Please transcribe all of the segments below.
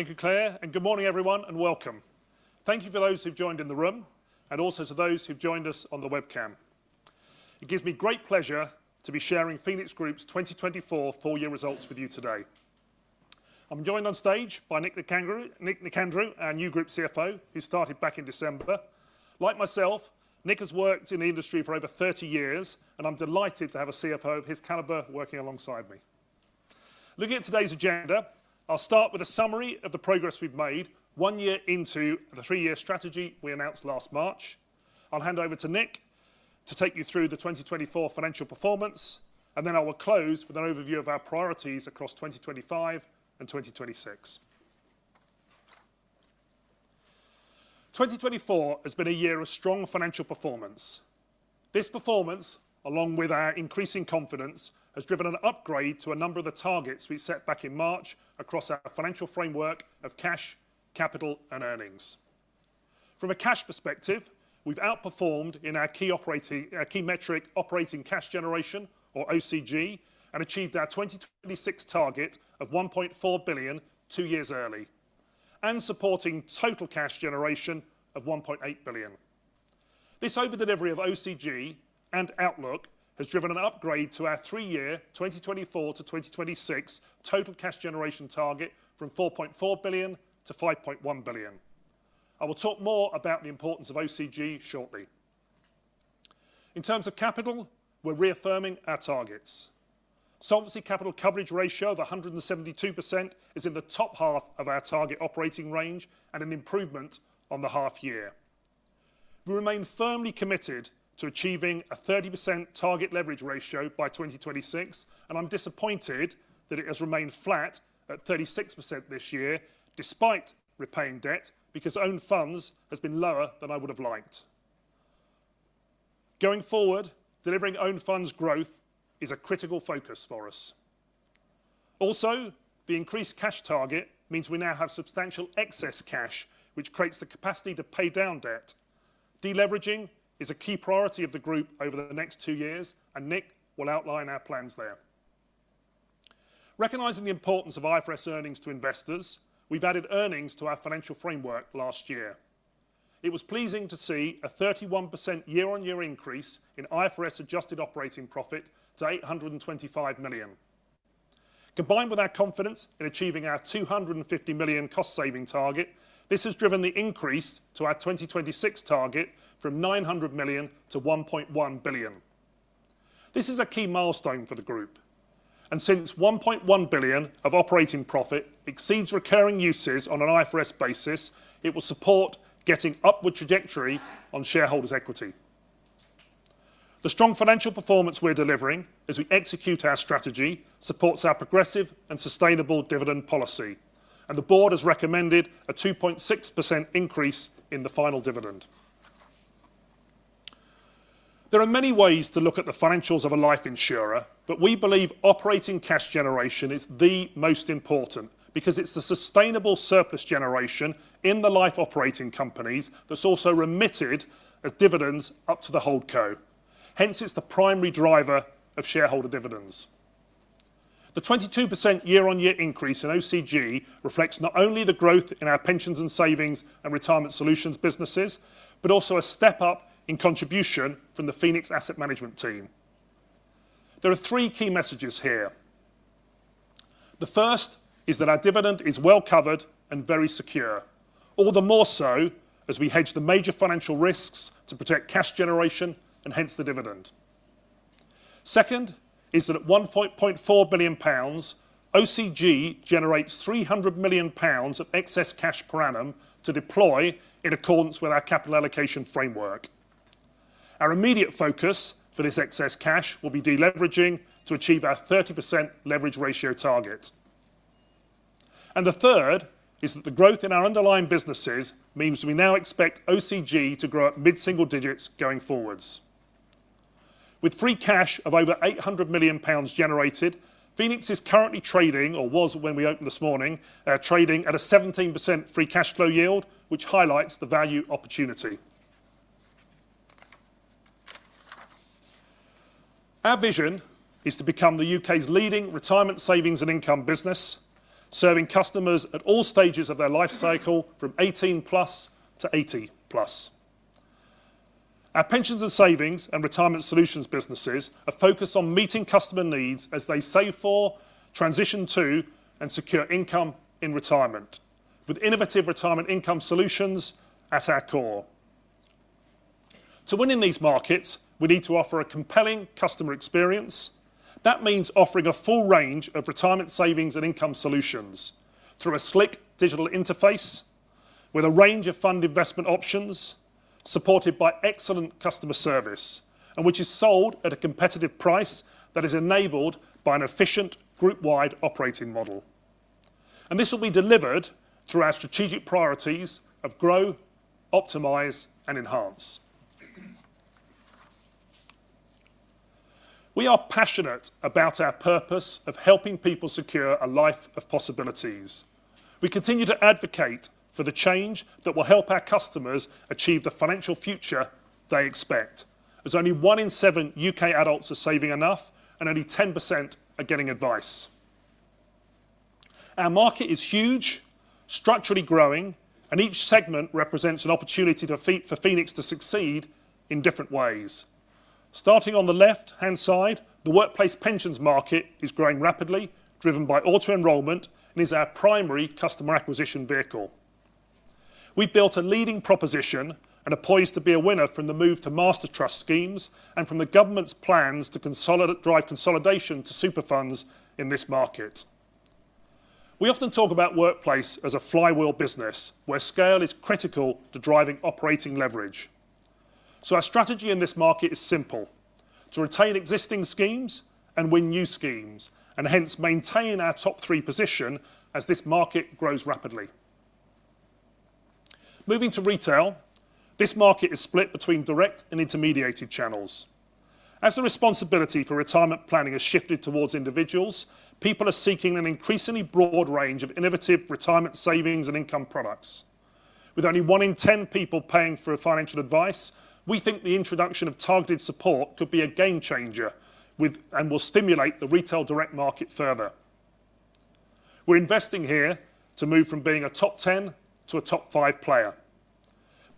Thank you, Claire, and good morning, everyone, and welcome. Thank you for those who've joined in the room, and also to those who've joined us on the webcam. It gives me great pleasure to be sharing Phoenix Group's 2024 full-year results with you today. I'm joined on stage by Nicolaos Nicandrou, our new Group CFO, who started back in December. Like myself, Nic has worked in the industry for over 30 years, and I'm delighted to have a CFO of his caliber working alongside me. Looking at today's agenda, I'll start with a summary of the progress we've made one year into the three-year strategy we announced last March. I'll hand over to Nic to take you through the 2024 financial performance, and then I will close with an overview of our priorities across 2025 and 2026. 2024 has been a year of strong financial performance. This performance, along with our increasing confidence, has driven an upgrade to a number of the targets we set back in March across our financial framework of cash, capital, and earnings. From a cash perspective, we've outperformed in our key metric, operating cash generation, or OCG, and achieved our 2026 target of $1.4 billion two years early, and supporting total cash generation of $1.8 billion. This overdelivery of OCG and outlook has driven an upgrade to our three-year 2024 to 2026 total cash generation target from $4.4 billion to $5.1 billion. I will talk more about the importance of OCG shortly. In terms of capital, we're reaffirming our targets. Solvency capital coverage ratio of 172% is in the top half of our target operating range and an improvement on the half-year. We remain firmly committed to achieving a 30% target leverage ratio by 2026, and I'm disappointed that it has remained flat at 36% this year, despite repaying debt, because own funds has been lower than I would have liked. Going forward, delivering own funds growth is a critical focus for us. Also, the increased cash target means we now have substantial excess cash, which creates the capacity to pay down debt. Deleveraging is a key priority of the Group over the next two years, and Nic will outline our plans there. Recognizing the importance of IFRS earnings to investors, we've added earnings to our financial framework last year. It was pleasing to see a 31% year-on-year increase in IFRS-adjusted operating profit to $825 million. Combined with our confidence in achieving our $250 million cost-saving target, this has driven the increase to our 2026 target from $900 million to $1.1 billion. This is a key milestone for the Group, and since $1.1 billion of operating profit exceeds recurring uses on an IFRS basis, it will support getting upward trajectory on shareholders' equity. The strong financial performance we're delivering as we execute our strategy supports our progressive and sustainable dividend policy, and the board has recommended a 2.6% increase in the final dividend. There are many ways to look at the financials of a life insurer, but we believe operating cash generation is the most important because it's the sustainable surplus generation in the life-operating companies that's also remitted as dividends up to the hold co. Hence, it's the primary driver of shareholder dividends. The 22% year-on-year increase in OCG reflects not only the growth in our pensions and savings and retirement solutions businesses, but also a step up in contribution from the Phoenix Asset Management team. There are three key messages here. The first is that our dividend is well covered and very secure, all the more so as we hedge the major financial risks to protect cash generation and hence the dividend. Second is that at 1.4 billion pounds, OCG generates 300 million pounds of excess cash per annum to deploy in accordance with our capital allocation framework. Our immediate focus for this excess cash will be deleveraging to achieve our 30% leverage ratio target. The third is that the growth in our underlying businesses means we now expect OCG to grow at mid-single digits going forwards. With free cash of over 800 million pounds generated, Phoenix is currently trading, or was when we opened this morning, trading at a 17% free cash flow yield, which highlights the value opportunity. Our vision is to become the U.K.'s leading retirement savings and income business, serving customers at all stages of their life cycle from 18+ to 80+. Our pensions and savings and retirement solutions businesses are focused on meeting customer needs as they save for, transition to, and secure income in retirement, with innovative retirement income solutions at our core. To win in these markets, we need to offer a compelling customer experience. That means offering a full range of retirement savings and income solutions through a slick digital interface with a range of fund investment options supported by excellent customer service, and which is sold at a competitive price that is enabled by an efficient group-wide operating model. This will be delivered through our strategic priorities of grow, optimize, and enhance. We are passionate about our purpose of helping people secure a life of possibilities. We continue to advocate for the change that will help our customers achieve the financial future they expect, as only one in seven U.K. adults are saving enough, and only 10% are getting advice. Our market is huge, structurally growing, and each segment represents an opportunity for Phoenix to succeed in different ways. Starting on the left-hand side, the workplace pensions market is growing rapidly, driven by auto-enrollment, and is our primary customer acquisition vehicle. We've built a leading proposition and are poised to be a winner from the move to Mastertrust schemes and from the government's plans to drive consolidation to super funds in this market. We often talk about workplace as a flywheel business, where scale is critical to driving operating leverage. Our strategy in this market is simple: to retain existing schemes and win new schemes, and hence maintain our top three position as this market grows rapidly. Moving to retail, this market is split between direct and intermediated channels. As the responsibility for retirement planning has shifted towards individuals, people are seeking an increasingly broad range of innovative retirement savings and income products. With only one in ten people paying for financial advice, we think the introduction of targeted support could be a game changer and will stimulate the retail direct market further. We're investing here to move from being a top 10 to a top five player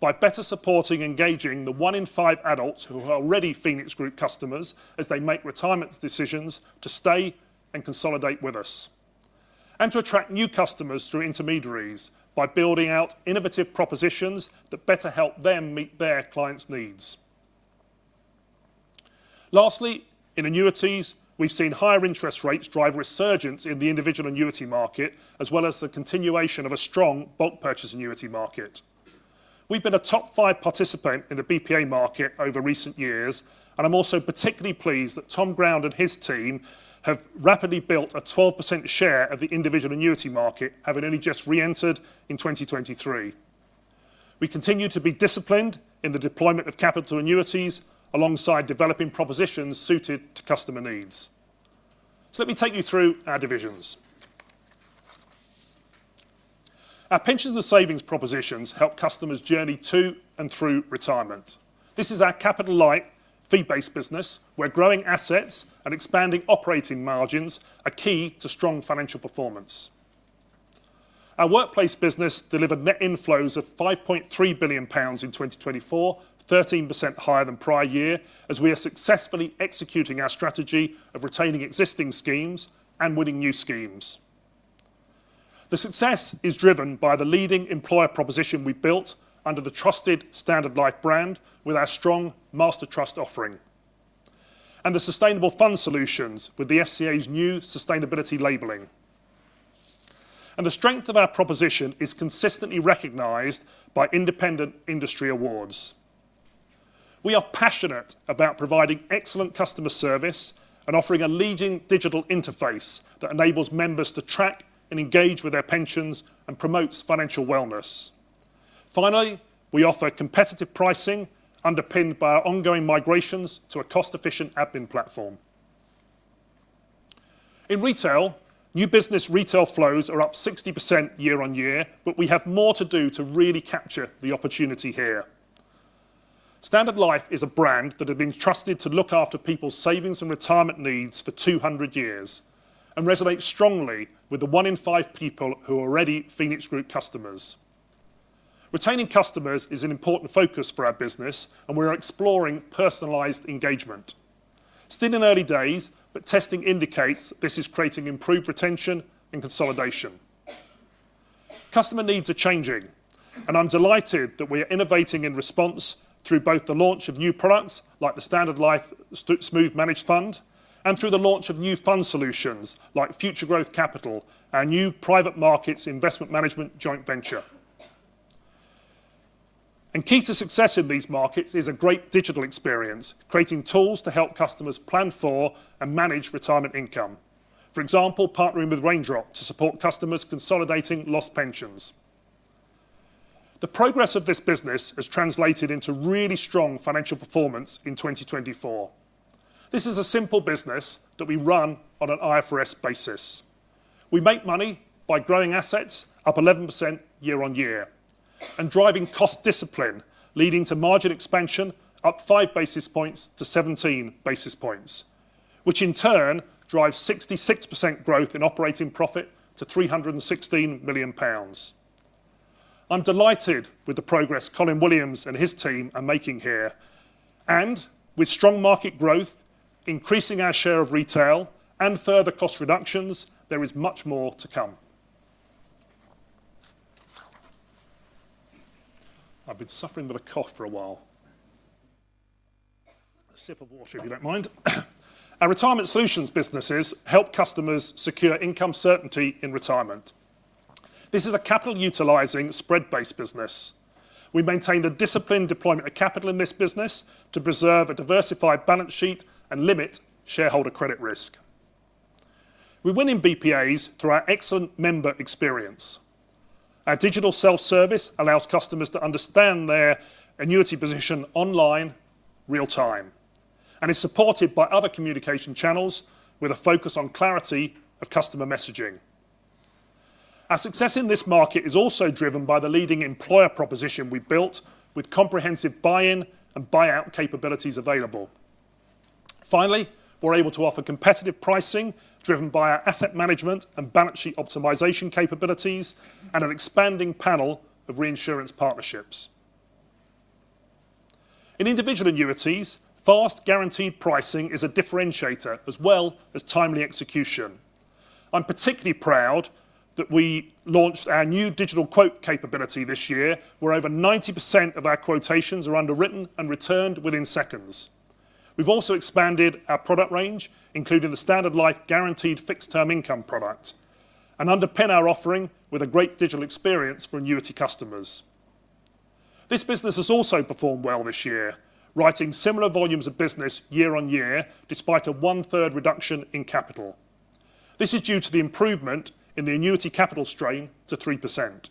by better supporting and engaging the one in five adults who are already Phoenix Group customers as they make retirement decisions to stay and consolidate with us, and to attract new customers through intermediaries by building out innovative propositions that better help them meet their clients' needs. Lastly, in annuities, we've seen higher interest rates drive resurgence in the individual annuity market, as well as the continuation of a strong bulk purchase annuity market. We've been a top five participant in the BPA market over recent years, and I'm also particularly pleased that Tom Brown and his team have rapidly built a 12% share of the individual annuity market, having only just reentered in 2023. We continue to be disciplined in the deployment of capital annuities alongside developing propositions suited to customer needs. Let me take you through our divisions. Our pensions and savings propositions help customers journey to and through retirement. This is our capital-light, fee-based business, where growing assets and expanding operating margins are key to strong financial performance. Our workplace business delivered net inflows of 5.3 billion pounds in 2024, 13% higher than prior year, as we are successfully executing our strategy of retaining existing schemes and winning new schemes. The success is driven by the leading employer proposition we built under the trusted Standard Life brand with our strong Mastertrust offering, and the sustainable fund solutions with the FCA's new sustainability labeling. The strength of our proposition is consistently recognized by independent industry awards. We are passionate about providing excellent customer service and offering a leading digital interface that enables members to track and engage with their pensions and promotes financial wellness. Finally, we offer competitive pricing underpinned by our ongoing migrations to a cost-efficient admin platform. In retail, new business retail flows are up 60% year-on-year, but we have more to do to really capture the opportunity here. Standard Life is a brand that has been trusted to look after people's savings and retirement needs for 200 years and resonates strongly with the one in five people who are already Phoenix Group customers. Retaining customers is an important focus for our business, and we are exploring personalized engagement. Still in early days, but testing indicates this is creating improved retention and consolidation. Customer needs are changing, and I'm delighted that we are innovating in response through both the launch of new products like the Standard Life Smooth Managed Fund and through the launch of new fund solutions like Future Growth Capital and new private markets investment management joint venture. Key to success in these markets is a great digital experience, creating tools to help customers plan for and manage retirement income. For example, partnering with Raindrop to support customers consolidating lost pensions. The progress of this business is translated into really strong financial performance in 2024. This is a simple business that we run on an IFRS basis. We make money by growing assets up 11% year-on-year and driving cost discipline, leading to margin expansion up 5 bps to 17 bps, which in turn drives 66% growth in operating profit to 316 million pounds. I'm delighted with the progress Colin Williams and his team are making here, and with strong market growth, increasing our share of retail, and further cost reductions, there is much more to come. I've been suffering with a cough for a while. A sip of water, if you don't mind. Our retirement solutions businesses help customers secure income certainty in retirement. This is a capital-utilizing spread-based business. We maintain a disciplined deployment of capital in this business to preserve a diversified balance sheet and limit shareholder credit risk. We win in BPAs through our excellent member experience. Our digital self-service allows customers to understand their annuity position online real-time, and is supported by other communication channels with a focus on clarity of customer messaging. Our success in this market is also driven by the leading employer proposition we have built with comprehensive buy-in and buy-out capabilities available. Finally, we are able to offer competitive pricing driven by our asset management and balance sheet optimization capabilities and an expanding panel of reinsurance partnerships. In individual annuities, fast guaranteed pricing is a differentiator as well as timely execution. I'm particularly proud that we launched our new digital "capability" this year, where over 90% of our quotations are underwritten and returned within seconds. We've also expanded our product range, including the Standard Life Guaranteed Fixed Term Income product, and underpin our offering with a great digital experience for annuity customers. This business has also performed well this year, writing similar volumes of business year-on-year despite a one-third reduction in capital. This is due to the improvement in the annuity capital strain to 3%.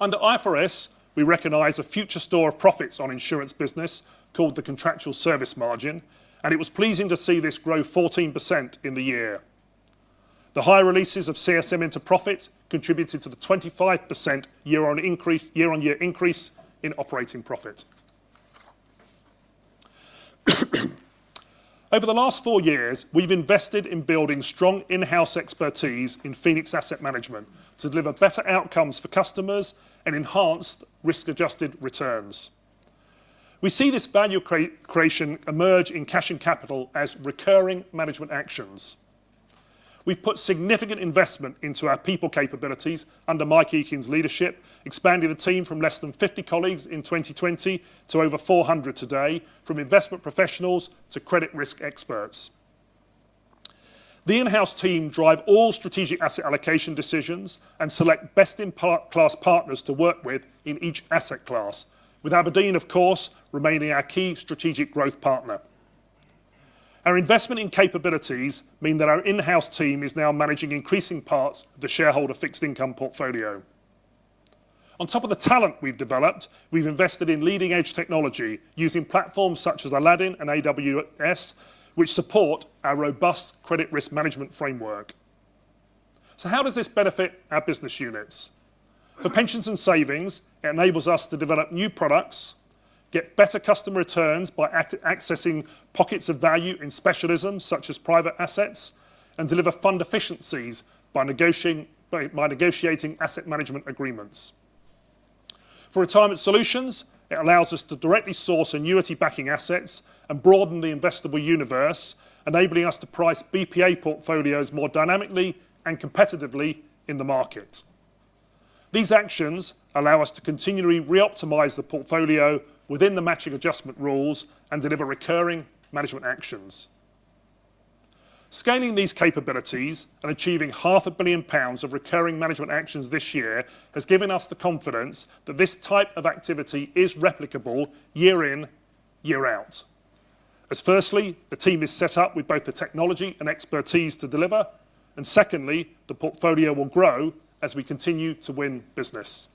Under IFRS, we recognize a future store of profits on insurance business called the contractual service margin, and it was pleasing to see this grow 14% in the year. The high releases of CSM into profit contributed to the 25% year-on-year increase in operating profit. Over the last four years, we've invested in building strong in-house expertise in Phoenix Asset Management to deliver better outcomes for customers and enhanced risk-adjusted returns. We see this value creation emerge in cash and capital as recurring management actions. We've put significant investment into our people capabilities under Mike Eakin's leadership, expanding the team from less than 50 colleagues in 2020 to over 400 today, from investment professionals to credit risk experts. The in-house team drives all strategic asset allocation decisions and selects best-in-class partners to work with in each asset class, with Aberdeen, of course, remaining our key strategic growth partner. Our investment in capabilities means that our in-house team is now managing increasing parts of the shareholder fixed income portfolio. On top of the talent we've developed, we've invested in leading-edge technology using platforms such as BlackRock Aladdin and AWS, which support our robust credit risk management framework. How does this benefit our business units? For pensions and savings, it enables us to develop new products, get better customer returns by accessing pockets of value in specialisms such as private assets, and deliver fund efficiencies by negotiating asset management agreements. For retirement solutions, it allows us to directly source annuity backing assets and broaden the investable universe, enabling us to price BPA portfolios more dynamically and competitively in the market. These actions allow us to continually reoptimize the portfolio within the matching adjustment rules and deliver recurring management actions. Scaling these capabilities and achieving 500,000,000 pounds of recurring management actions this year has given us the confidence that this type of activity is replicable year-in, year-out. Firstly, the team is set up with both the technology and expertise to deliver, and secondly, the portfolio will grow as we continue to win business.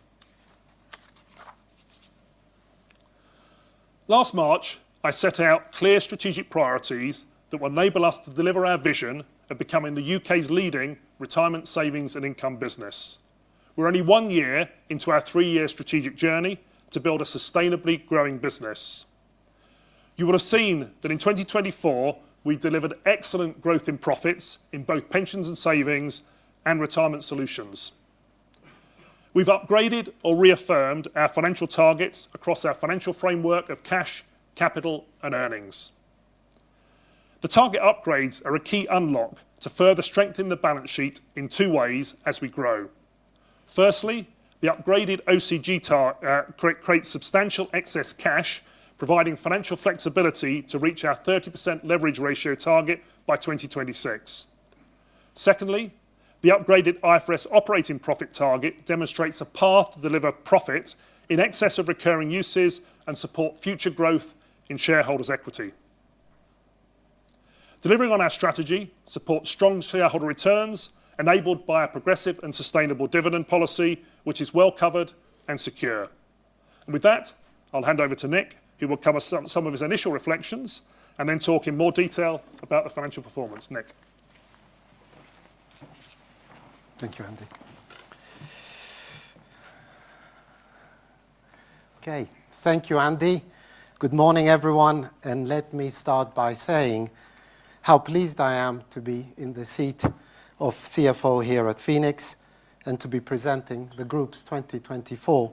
Last March, I set out clear strategic priorities that will enable us to deliver our vision of becoming the U.K.'s leading retirement savings and income business. We're only one year into our three-year strategic journey to build a sustainably growing business. You will have seen that in 2024, we delivered excellent growth in profits in both pensions and savings and retirement solutions. We've upgraded or reaffirmed our financial targets across our financial framework of cash, capital, and earnings. The target upgrades are a key unlock to further strengthen the balance sheet in two ways as we grow. Firstly, the upgraded OCG target creates substantial excess cash, providing financial flexibility to reach our 30% leverage ratio target by 2026. Secondly, the upgraded IFRS operating profit target demonstrates a path to deliver profit in excess of recurring uses and support future growth in shareholders' equity. Delivering on our strategy supports strong shareholder returns enabled by our progressive and sustainable dividend policy, which is well covered and secure. With that, I'll hand over to Nic, who will cover some of his initial reflections and then talk in more detail about the financial performance. Nic. Thank you, Andy. Thank you, Andy. Good morning, everyone. Let me start by saying how pleased I am to be in the seat of CFO here at Phoenix and to be presenting the Group's 2024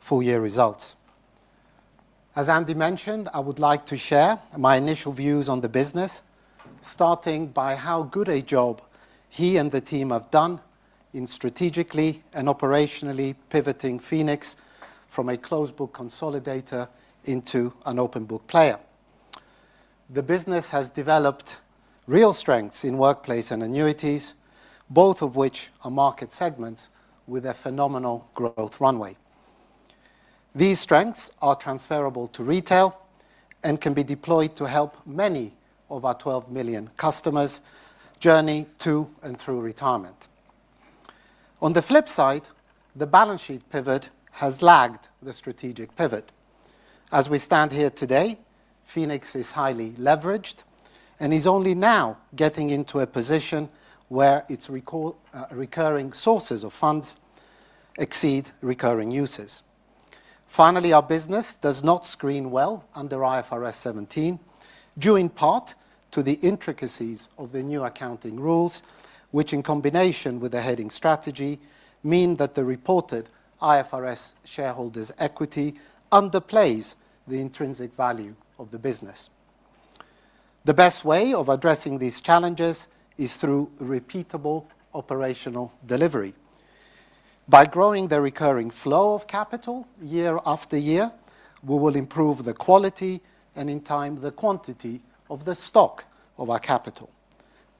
full-year results. As Andy mentioned, I would like to share my initial views on the business, starting by how good a job he and the team have done in strategically and operationally pivoting Phoenix from a closed-book consolidator into an open-book player. The business has developed real strengths in workplace and annuities, both of which are market segments with a phenomenal growth runway. These strengths are transferable to retail and can be deployed to help many of our 12 million customers journey to and through retirement. On the flip side, the balance sheet pivot has lagged the strategic pivot. As we stand here today, Phoenix is highly leveraged and is only now getting into a position where its recurring sources of funds exceed recurring uses. Finally, our business does not screen well under IFRS 17, due in part to the intricacies of the new accounting rules, which, in combination with the hedging strategy, mean that the reported IFRS shareholders' equity underplays the intrinsic value of the business. The best way of addressing these challenges is through repeatable operational delivery. By growing the recurring flow of capital year after year, we will improve the quality and, in time, the quantity of the stock of our capital.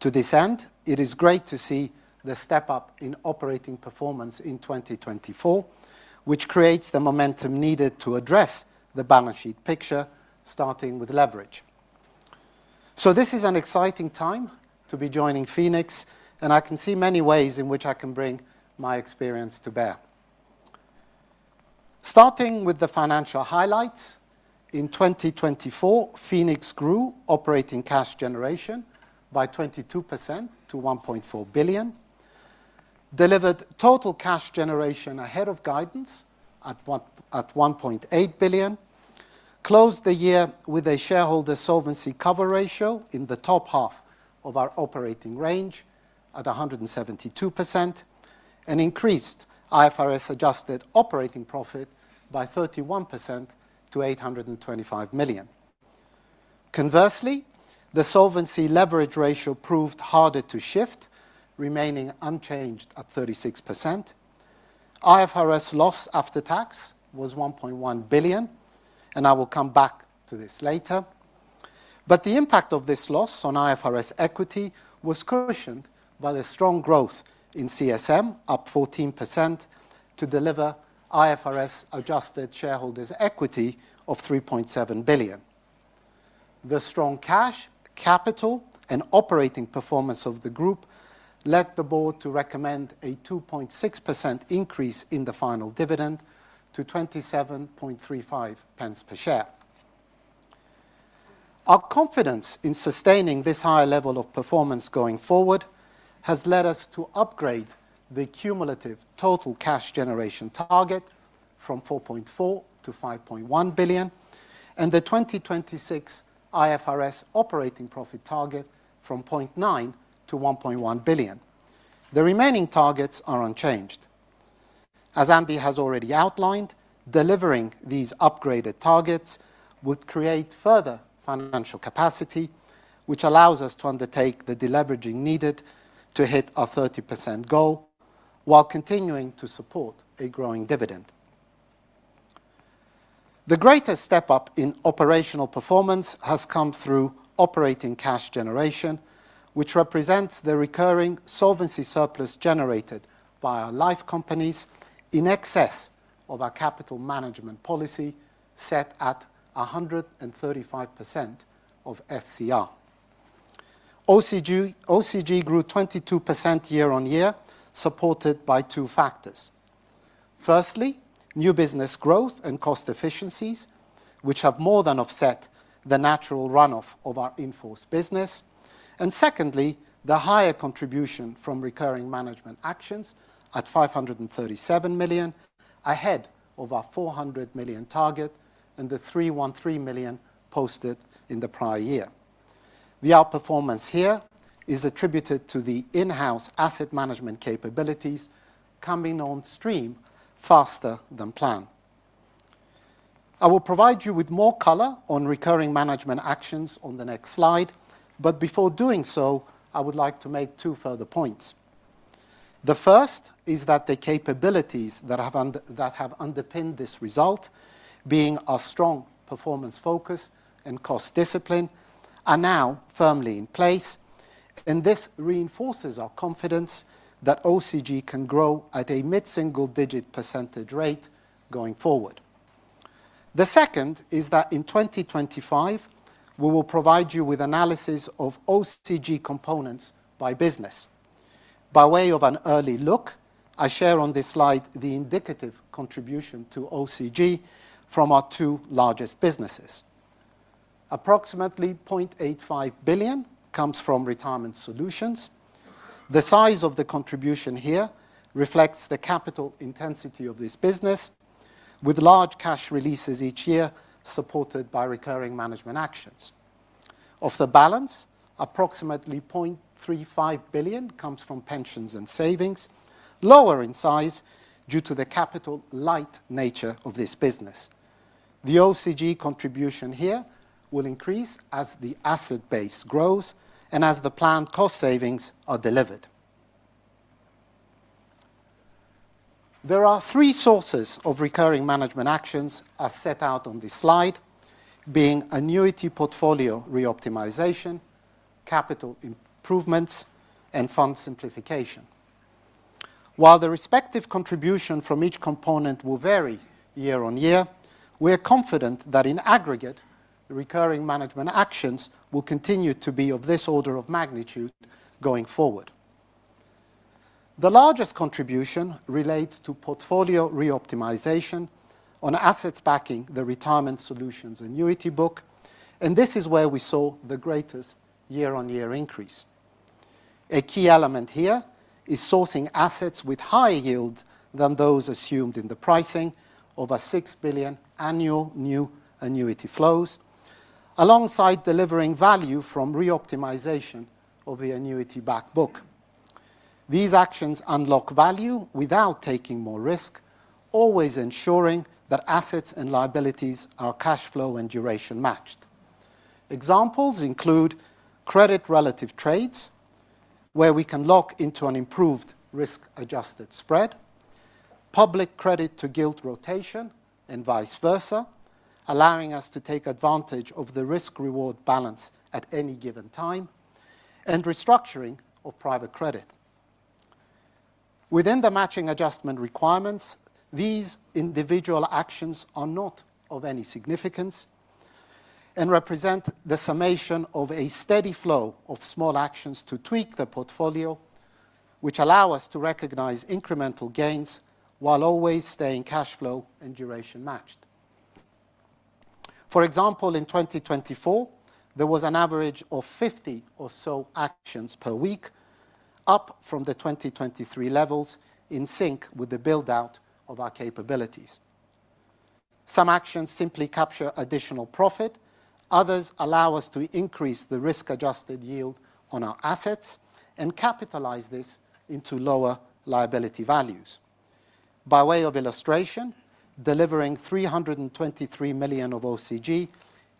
To this end, it is great to see the step-up in operating performance in 2024, which creates the momentum needed to address the balance sheet picture, starting with leverage. This is an exciting time to be joining Phoenix, and I can see many ways in which I can bring my experience to bear. Starting with the financial highlights, in 2024, Phoenix grew operating cash generation by 22% to 1.4 billion, delivered total cash generation ahead of guidance at 1.8 billion, closed the year with a shareholder solvency cover ratio in the top half of our operating range at 172%, and increased IFRS-adjusted operating profit by 31% to 825 million. Conversely, the solvency leverage ratio proved harder to shift, remaining unchanged at 36%. IFRS loss after tax was 1.1 billion, and I will come back to this later. The impact of this loss on IFRS equity was cushioned by the strong growth in CSM, up 14% to deliver IFRS-adjusted shareholders' equity of 3.7 billion. The strong cash, capital, and operating performance of the Group led the Board to recommend a 2.6% increase in the final dividend to 0.2735 per share. Our confidence in sustaining this higher level of performance going forward has led us to upgrade the cumulative total cash generation target from 4.4 billion to 5.1 billion and the 2026 IFRS operating profit target from 0.9 billion to 1.1 billion. The remaining targets are unchanged. As Andy has already outlined, delivering these upgraded targets would create further financial capacity, which allows us to undertake the deleveraging needed to hit our 30% goal while continuing to support a growing dividend. The greatest step-up in operational performance has come through operating cash generation, which represents the recurring solvency surplus generated by our life companies in excess of our capital management policy set at 135% of SCR. OCG grew 22% year-on-year, supported by two factors. Firstly, new business growth and cost efficiencies, which have more than offset the natural runoff of our in-force business. Secondly, the higher contribution from recurring management actions at 537 million ahead of our 400 million target and the 313 million posted in the prior year. The outperformance here is attributed to the in-house asset management capabilities coming on stream faster than planned. I will provide you with more color on recurring management actions on the next slide, but before doing so, I would like to make two further points. The first is that the capabilities that have underpinned this result, being our strong performance focus and cost discipline, are now firmly in place, and this reinforces our confidence that OCG can grow at a mid-single-digit % rate going forward. The second is that in 2025, we will provide you with analysis of OCG components by business. By way of an early look, I share on this slide the indicative contribution to OCG from our two largest businesses. Approximately 0.85 billion comes from retirement solutions. The size of the contribution here reflects the capital intensity of this business, with large cash releases each year supported by recurring management actions. Of the balance, approximately 0.35 billion comes from pensions and savings, lower in size due to the capital-light nature of this business. The OCG contribution here will increase as the asset base grows and as the planned cost savings are delivered. There are three sources of recurring management actions as set out on this slide, being annuity portfolio reoptimization, capital improvements, and fund simplification. While the respective contribution from each component will vary year-on-year, we are confident that in aggregate, recurring management actions will continue to be of this order of magnitude going forward. The largest contribution relates to portfolio reoptimization on assets backing the retirement solutions annuity book, and this is where we saw the greatest year-on-year increase. A key element here is sourcing assets with higher yields than those assumed in the pricing of our 6 billion annual new annuity flows, alongside delivering value from reoptimization of the annuity BackBook. These actions unlock value without taking more risk, always ensuring that assets and liabilities are cash flow and duration matched. Examples include credit relative trades, where we can lock into an improved risk-adjusted spread, public credit-to-gilt rotation, and vice versa, allowing us to take advantage of the risk-reward balance at any given time, and restructuring of private credit. Within the matching adjustment requirements, these individual actions are not of any significance and represent the summation of a steady flow of small actions to tweak the portfolio, which allow us to recognize incremental gains while always staying cash flow and duration matched. For example, in 2024, there was an average of 50 or so actions per week, up from the 2023 levels in sync with the build-out of our capabilities. Some actions simply capture additional profit; others allow us to increase the risk-adjusted yield on our assets and capitalize this into lower liability values. By way of illustration, delivering 323 million of OCG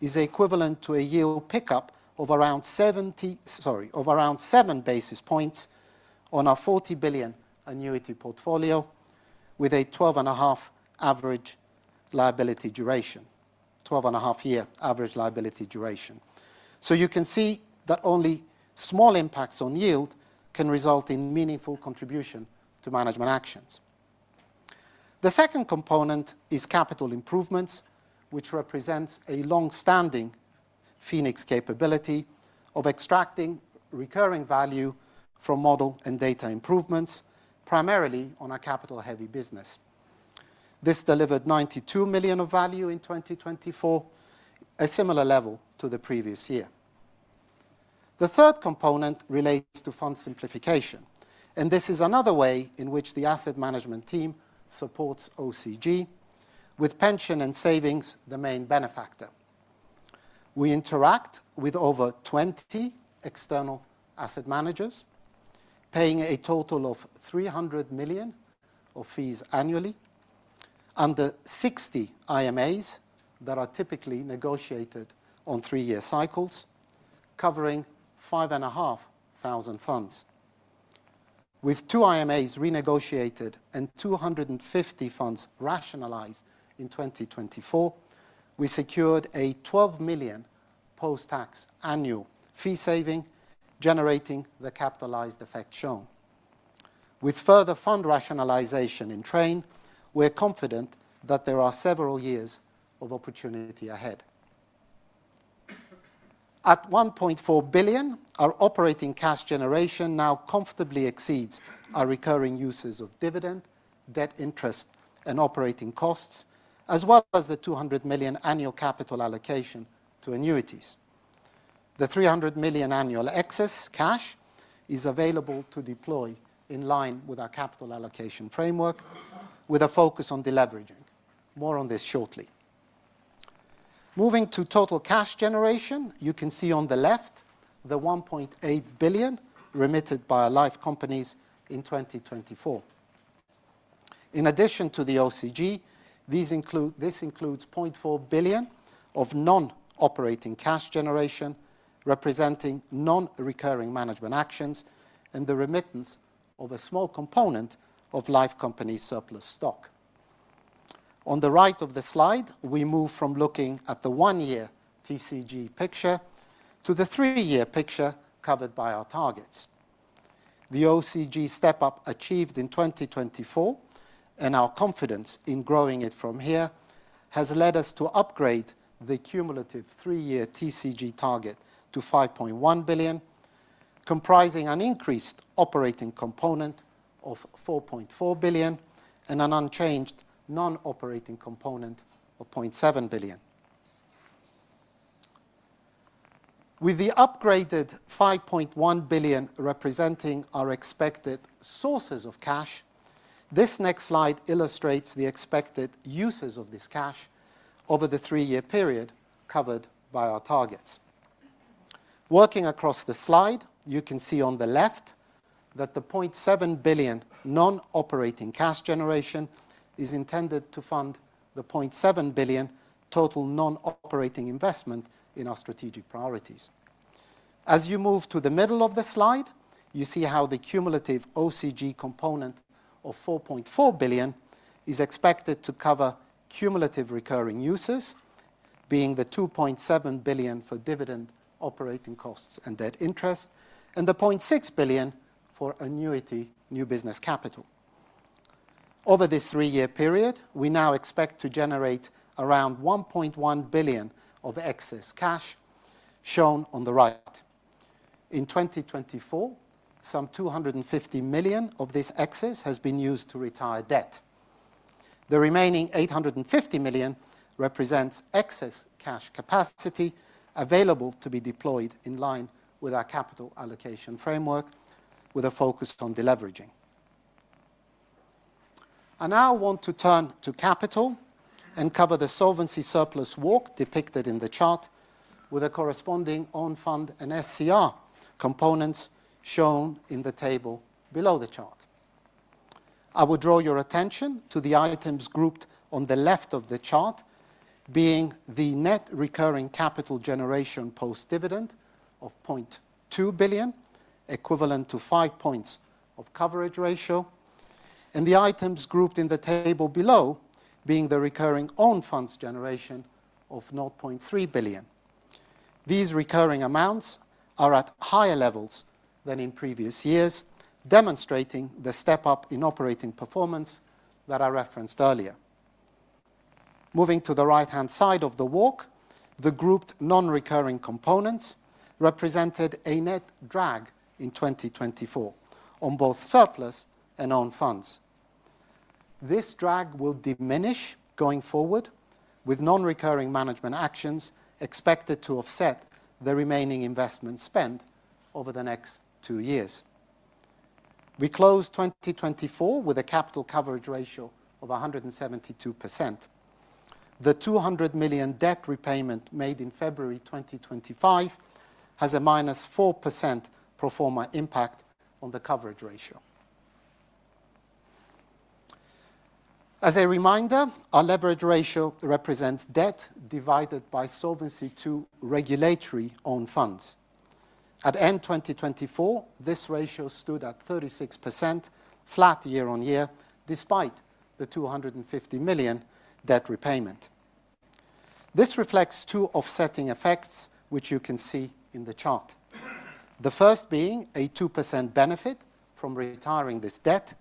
is equivalent to a yield pickup of around 70, sorry, of around 7 bps on our 40 billion annuity portfolio, with a 12.5 year average liability duration. You can see that only small impacts on yield can result in meaningful contribution to management actions. The second component is capital improvements, which represents a long-standing Phoenix capability of extracting recurring value from model and data improvements, primarily on our capital-heavy business. This delivered 92 million of value in 2024, a similar level to the previous year. The third component relates to fund simplification, and this is another way in which the asset management team supports OCG, with pensions and savings the main benefactor. We interact with over 20 external asset managers, paying a total of 300 million of fees annually under 60 IMAs that are typically negotiated on three-year cycles, covering 5,500 funds. With two IMAs renegotiated and 250 funds rationalized in 2024, we secured a 12 million post-tax annual fee saving, generating the capitalized effect shown. With further fund rationalization in train, we're confident that there are several years of opportunity ahead. At 1.4 billion, our operating cash generation now comfortably exceeds our recurring uses of dividend, debt interest, and operating costs, as well as the 200 million annual capital allocation to annuities. The 300 million annual excess cash is available to deploy in line with our capital allocation framework, with a focus on deleveraging. More on this shortly. Moving to total cash generation, you can see on the left the 1.8 billion remitted by our life companies in 2024. In addition to the OCG, this includes 0.4 billion of non-operating cash generation, representing non-recurring management actions and the remittance of a small component of life companies' surplus stock. On the right of the slide, we move from looking at the one-year TCG picture to the three-year picture covered by our targets. The OCG step-up achieved in 2024, and our confidence in growing it from here, has led us to upgrade the cumulative three-year TCG target to 5.1 billion, comprising an increased operating component of 4.4 billion and an unchanged non-operating component of 0.7 billion. With the upgraded 5.1 billion representing our expected sources of cash, this next slide illustrates the expected uses of this cash over the three-year period covered by our targets. Working across the slide, you can see on the left that the 0.7 billion non-operating cash generation is intended to fund the 0.7 billion total non-operating investment in our strategic priorities. As you move to the middle of the slide, you see how the cumulative OCG component of 4.4 billion is expected to cover cumulative recurring uses, being the 2.7 billion for dividend, operating costs, and debt interest, and the 0.6 billion for annuity new business capital. Over this three-year period, we now expect to generate around 1.1 billion of excess cash, shown on the right. In 2024, some 250 million of this excess has been used to retire debt. The remaining 850 million represents excess cash capacity available to be deployed in line with our capital allocation framework, with a focus on deleveraging. I now want to turn to capital and cover the solvency surplus walk depicted in the chart, with the corresponding own fund and SCR components shown in the table below the chart. I would draw your attention to the items grouped on the left of the chart, being the net recurring capital generation post-dividend of 0.2 billion, equivalent to five percentage points of coverage ratio, and the items grouped in the table below, being the recurring own funds generation of 0.3 billion. These recurring amounts are at higher levels than in previous years, demonstrating the step-up in operating performance that I referenced earlier. Moving to the right-hand side of the walk, the grouped non-recurring components represented a net drag in 2024 on both surplus and own funds. This drag will diminish going forward, with non-recurring management actions expected to offset the remaining investment spend over the next two years. We closed 2024 with a capital coverage ratio of 172%. The 200 million debt repayment made in February 2025 has a -4% proforma impact on the coverage ratio. As a reminder, our leverage ratio represents debt divided by solvency to regulatory own funds. At end 2024, this ratio stood at 36%, flat year-on-year, despite the 250 million debt repayment. This reflects two offsetting effects, which you can see in the chart. The first being a 2% benefit from retiring this debt,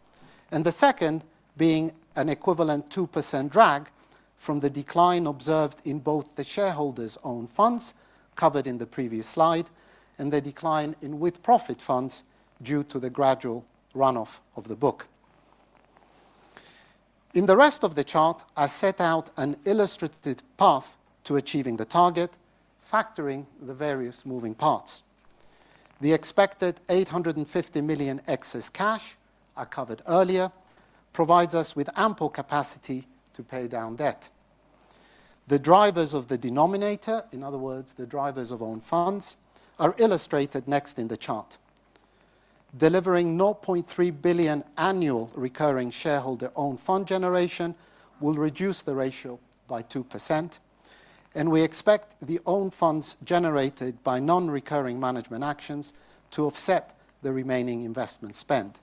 and the second being an equivalent 2% drag from the decline observed in both the shareholders' own funds covered in the previous slide and the decline in with profit funds due to the gradual runoff of the book. In the rest of the chart, I set out an illustrative path to achieving the target, factoring the various moving parts. The expected 850 million excess cash I covered earlier provides us with ample capacity to pay down debt. The drivers of the denominator, in other words, the drivers of own funds, are illustrated next in the chart. Delivering 0.3 billion annual recurring shareholder own fund generation will reduce the ratio by 2%, and we expect the own funds generated by non-recurring management actions to offset the remaining investment spend.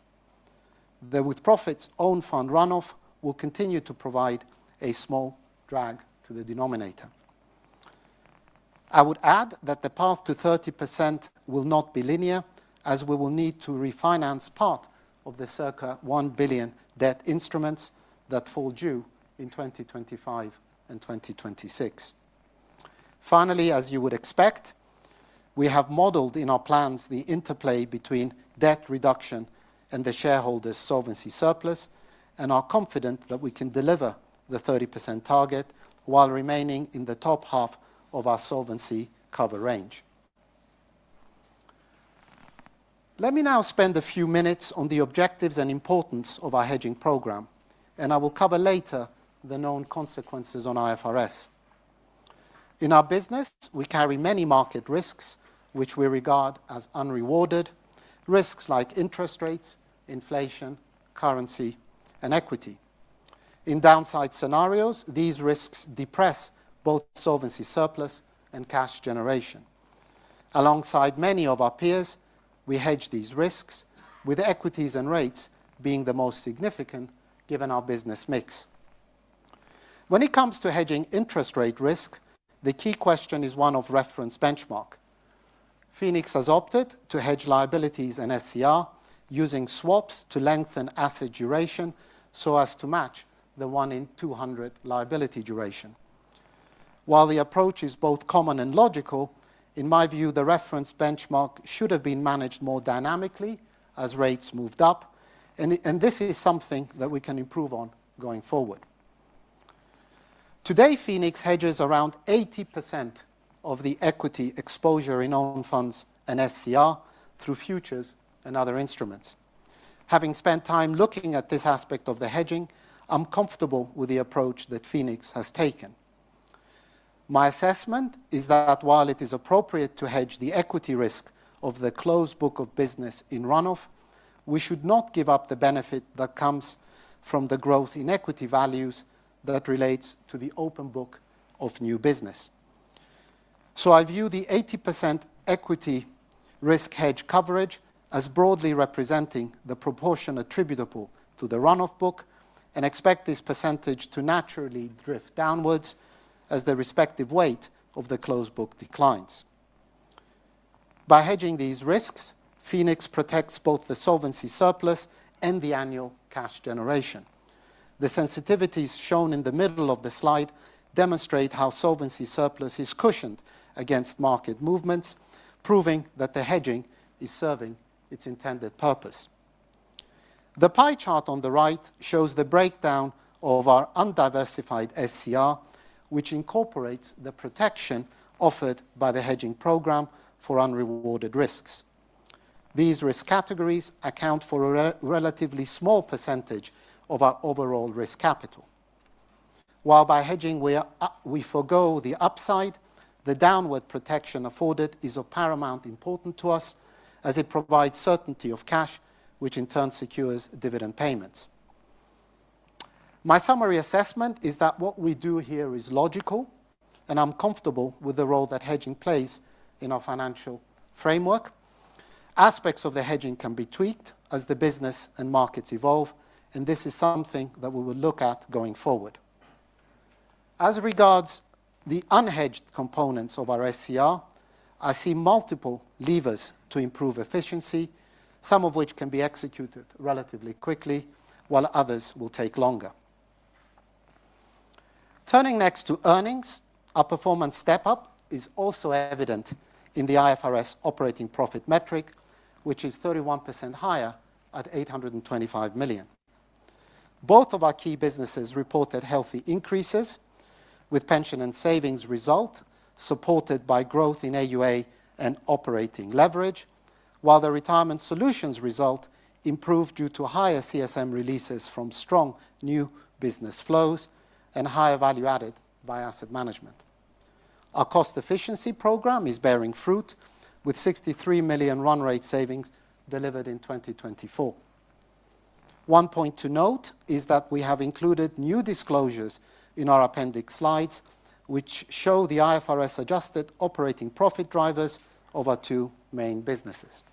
The with profits own fund runoff will continue to provide a small drag to the denominator. I would add that the path to 30% will not be linear, as we will need to refinance part of the circa 1 billion debt instruments that fall due in 2025 and 2026. Finally, as you would expect, we have modeled in our plans the interplay between debt reduction and the shareholders' solvency surplus, and are confident that we can deliver the 30% target while remaining in the top half of our solvency cover range. Let me now spend a few minutes on the objectives and importance of our hedging program, and I will cover later the known consequences on IFRS. In our business, we carry many market risks, which we regard as unrewarded risks like interest rates, inflation, currency, and equity. In downside scenarios, these risks depress both solvency surplus and cash generation. Alongside many of our peers, we hedge these risks, with equities and rates being the most significant given our business mix. When it comes to hedging interest rate risk, the key question is one of reference benchmark. Phoenix has opted to hedge liabilities and SCR using swaps to lengthen asset duration so as to match the one in 200 liability duration. While the approach is both common and logical, in my view, the reference benchmark should have been managed more dynamically as rates moved up, and this is something that we can improve on going forward. Today, Phoenix hedges around 80% of the equity exposure in own funds and SCR through futures and other instruments. Having spent time looking at this aspect of the hedging, I'm comfortable with the approach that Phoenix has taken. My assessment is that while it is appropriate to hedge the equity risk of the closed book of business in runoff, we should not give up the benefit that comes from the growth in equity values that relates to the open book of new business. I view the 80% equity risk hedge coverage as broadly representing the proportion attributable to the runoff book and expect this percentage to naturally drift downwards as the respective weight of the closed book declines. By hedging these risks, Phoenix protects both the solvency surplus and the annual cash generation. The sensitivities shown in the middle of the slide demonstrate how solvency surplus is cushioned against market movements, proving that the hedging is serving its intended purpose. The pie chart on the right shows the breakdown of our undiversified SCR, which incorporates the protection offered by the hedging program for unrewarded risks. These risk categories account for a relatively small percentage of our overall risk capital. While by hedging, we forgo the upside, the downward protection afforded is of paramount importance to us, as it provides certainty of cash, which in turn secures dividend payments. My summary assessment is that what we do here is logical, and I'm comfortable with the role that hedging plays in our financial framework. Aspects of the hedging can be tweaked as the business and markets evolve, and this is something that we will look at going forward. As regards the unhedged components of our SCR, I see multiple levers to improve efficiency, some of which can be executed relatively quickly, while others will take longer. Turning next to earnings, our performance step-up is also evident in the IFRS operating profit metric, which is 31% higher at 825 million. Both of our key businesses reported healthy increases, with pension and savings result supported by growth in AUA and operating leverage, while the retirement solutions result improved due to higher CSM releases from strong new business flows and higher value added by asset management. Our cost efficiency program is bearing fruit, with 63 million run rate savings delivered in 2024. One point to note is that we have included new disclosures in our appendix slides, which show the IFRS adjusted operating profit drivers of our two main businesses.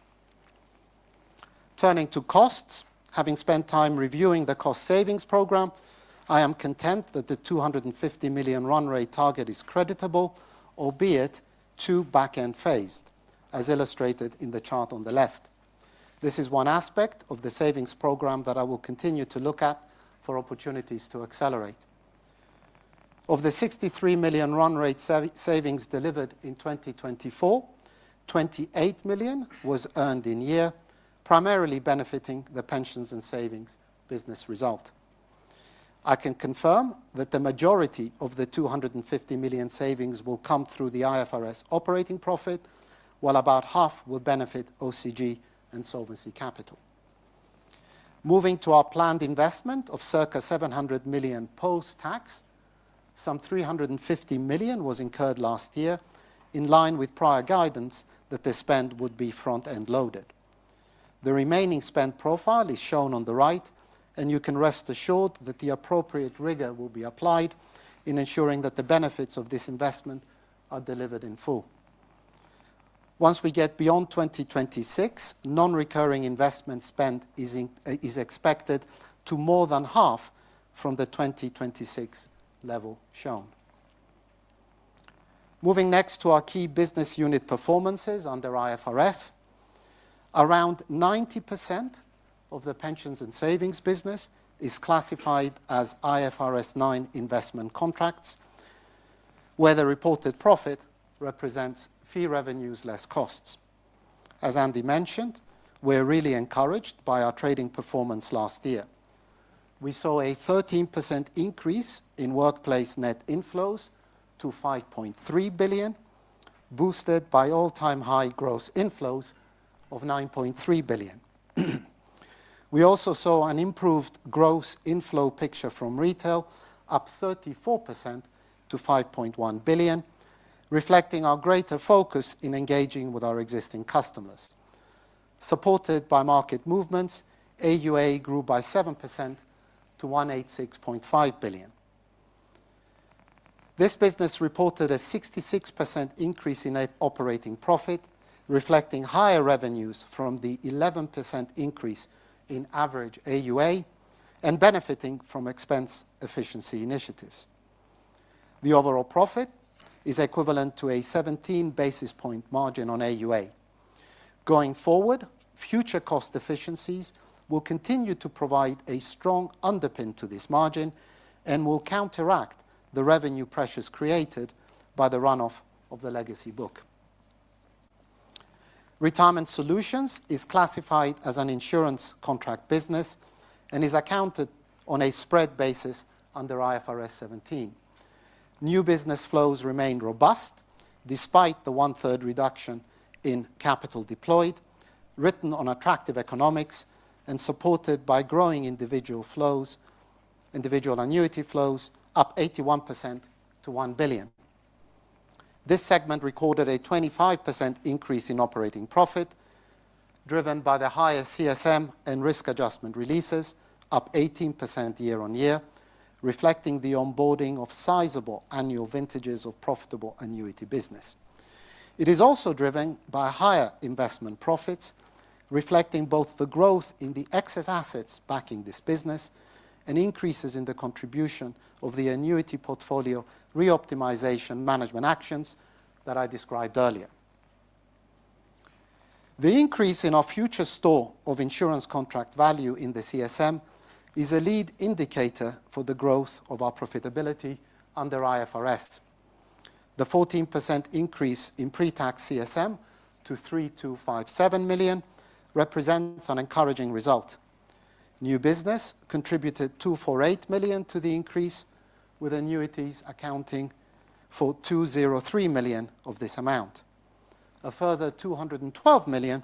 Turning to costs, having spent time reviewing the cost savings program, I am content that the 250 million run rate target is creditable, albeit too back-end phased, as illustrated in the chart on the left. This is one aspect of the savings program that I will continue to look at for opportunities to accelerate. Of the 63 million run rate savings delivered in 2024, 28 million was earned in year, primarily benefiting the pensions and savings business result. I can confirm that the majority of the 250 million savings will come through the IFRS operating profit, while about half will benefit OCG and solvency capital. Moving to our planned investment of circa 700 million post-tax, some 350 million was incurred last year, in line with prior guidance that the spend would be front-end loaded. The remaining spend profile is shown on the right, and you can rest assured that the appropriate rigor will be applied in ensuring that the benefits of this investment are delivered in full. Once we get beyond 2026, non-recurring investment spend is expected to more than half from the 2026 level shown. Moving next to our key business unit performances under IFRS, around 90% of the pensions and savings business is classified as IFRS 9 investment contracts, where the reported profit represents fee revenues less costs. As Andy mentioned, we're really encouraged by our trading performance last year. We saw a 13% increase in workplace net inflows to 5.3 billion, boosted by all-time high gross inflows of 9.3 billion. We also saw an improved gross inflow picture from retail, up 34% to 5.1 billion, reflecting our greater focus in engaging with our existing customers. Supported by market movements, AUA grew by 7% to 186.5 billion. This business reported a 66% increase in operating profit, reflecting higher revenues from the 11% increase in average AUA and benefiting from expense efficiency initiatives. The overall profit is equivalent to a 17 bp margin on AUA. Going forward, future cost efficiencies will continue to provide a strong underpin to this margin and will counteract the revenue pressures created by the runoff of the legacy book. Retirement solutions is classified as an insurance contract business and is accounted on a spread basis under IFRS 17. New business flows remain robust despite the 1/3 reduction in capital deployed, written on attractive economics and supported by growing individual annuity flows, up 81% to 1 billion. This segment recorded a 25% increase in operating profit, driven by the higher CSM and risk adjustment releases, up 18% year-on-year, reflecting the onboarding of sizable annual vintages of profitable annuity business. It is also driven by higher investment profits, reflecting both the growth in the excess assets backing this business and increases in the contribution of the annuity portfolio reoptimization management actions that I described earlier. The increase in our future store of insurance contract value in the CSM is a lead indicator for the growth of our profitability under IFRS. The 14% increase in pre-tax CSM to 3,257 million represents an encouraging result. New business contributed 248 million to the increase, with annuities accounting for 203 million of this amount. A further 212 million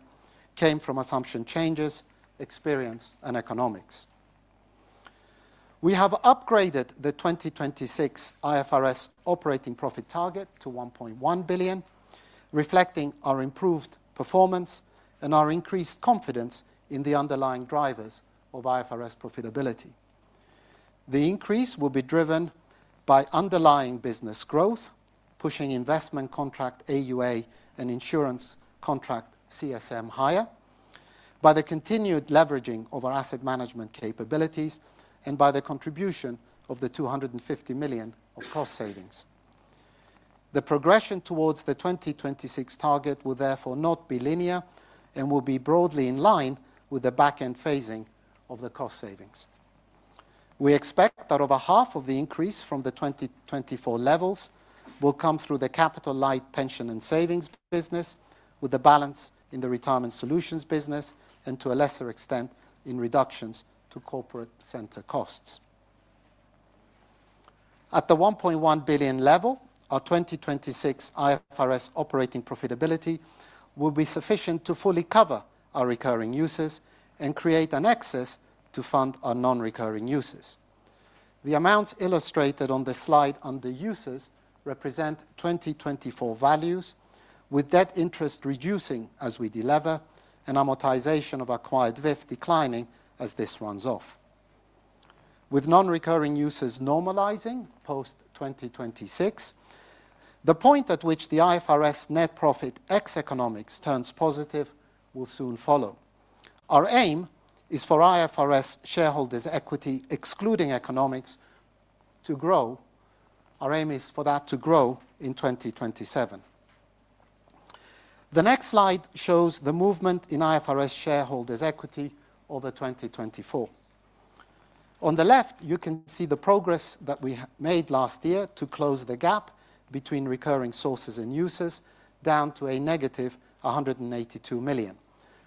came from assumption changes, experience, and economics. We have upgraded the 2026 IFRS operating profit target to 1.1 billion, reflecting our improved performance and our increased confidence in the underlying drivers of IFRS profitability. The increase will be driven by underlying business growth, pushing investment contract AUA and insurance contract CSM higher, by the continued leveraging of our asset management capabilities, and by the contribution of the 250 million of cost savings. The progression towards the 2026 target will therefore not be linear and will be broadly in line with the back-end phasing of the cost savings. We expect that over half of the increase from the 2024 levels will come through the capital-light pension and savings business, with the balance in the retirement solutions business, and to a lesser extent in reductions to corporate center costs. At the 1.1 billion level, our 2026 IFRS operating profitability will be sufficient to fully cover our recurring uses and create an excess to fund our non-recurring uses. The amounts illustrated on the slide under uses represent 2024 values, with debt interest reducing as we deliver and amortization of acquired VIF declining as this runs off. With non-recurring uses normalizing post-2026, the point at which the IFRS net profit ex economics turns positive will soon follow. Our aim is for IFRS shareholders' equity excluding economics to grow. Our aim is for that to grow in 2027. The next slide shows the movement in IFRS shareholders' equity over 2024. On the left, you can see the progress that we made last year to close the gap between recurring sources and uses down to a negative 182 million,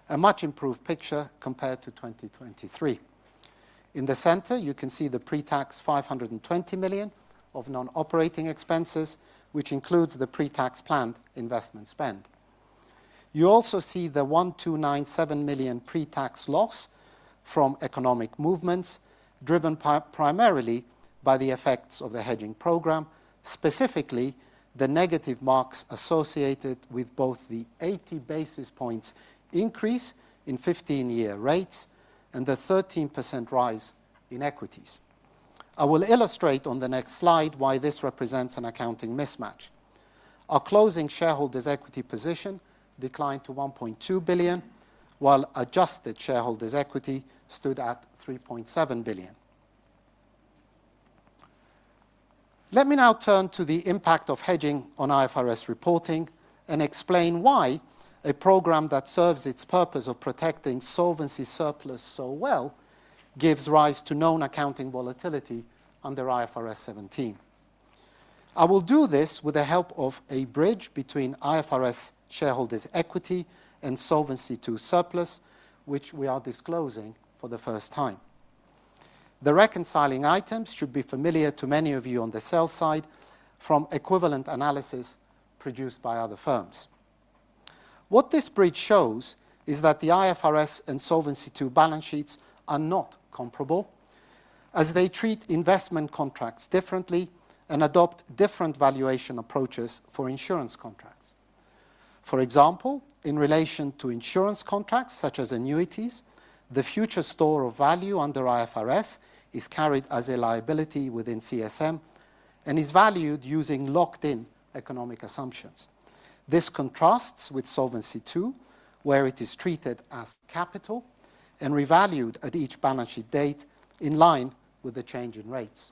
a much improved picture compared to 2023. In the center, you can see the pre-tax 520 million of non-operating expenses, which includes the pre-tax planned investment spend. You also see the 1,297 million pre-tax loss from economic movements, driven primarily by the effects of the hedging program, specifically the negative marks associated with both the 80 bps increase in 15-year rates and the 13% rise in equities. I will illustrate on the next slide why this represents an accounting mismatch. Our closing shareholders' equity position declined to 1.2 billion, while adjusted shareholders' equity stood at 3.7 billion. Let me now turn to the impact of hedging on IFRS reporting and explain why a program that serves its purpose of protecting solvency surplus so well gives rise to known accounting volatility under IFRS 17. I will do this with the help of a bridge between IFRS shareholders' equity and solvency to surplus, which we are disclosing for the first time. The reconciling items should be familiar to many of you on the sell side from equivalent analysis produced by other firms. What this bridge shows is that the IFRS and solvency to balance sheets are not comparable, as they treat investment contracts differently and adopt different valuation approaches for insurance contracts. For example, in relation to insurance contracts such as annuities, the future store of value under IFRS is carried as a liability within CSM and is valued using locked-in economic assumptions. This contrasts with Solvency II, where it is treated as capital and revalued at each balance sheet date in line with the change in rates.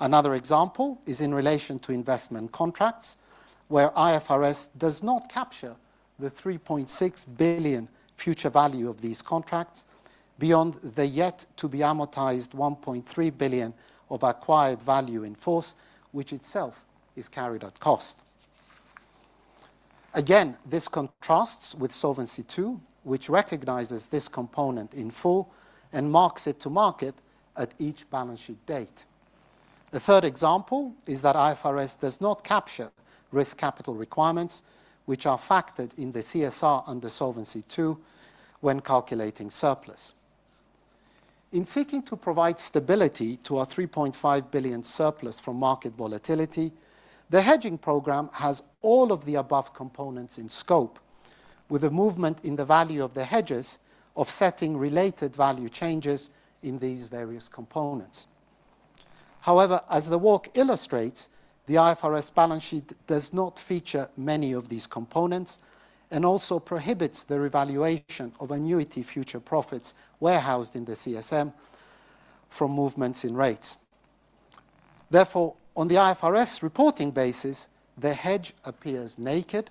Another example is in relation to investment contracts, where IFRS does not capture the 3.6 billion future value of these contracts beyond the yet-to-be amortized 1.3 billion of acquired value in force, which itself is carried at cost. Again, this contrasts with Solvency II, which recognizes this component in full and marks it to market at each balance sheet date. A third example is that IFRS does not capture risk capital requirements, which are factored in the CSR under Solvency II when calculating surplus. In seeking to provide stability to our 3.5 billion surplus from market volatility, the hedging program has all of the above components in scope, with a movement in the value of the hedges offsetting related value changes in these various components. However, as the work illustrates, the IFRS balance sheet does not feature many of these components and also prohibits the revaluation of annuity future profits warehoused in the CSM from movements in rates. Therefore, on the IFRS reporting basis, the hedge appears naked,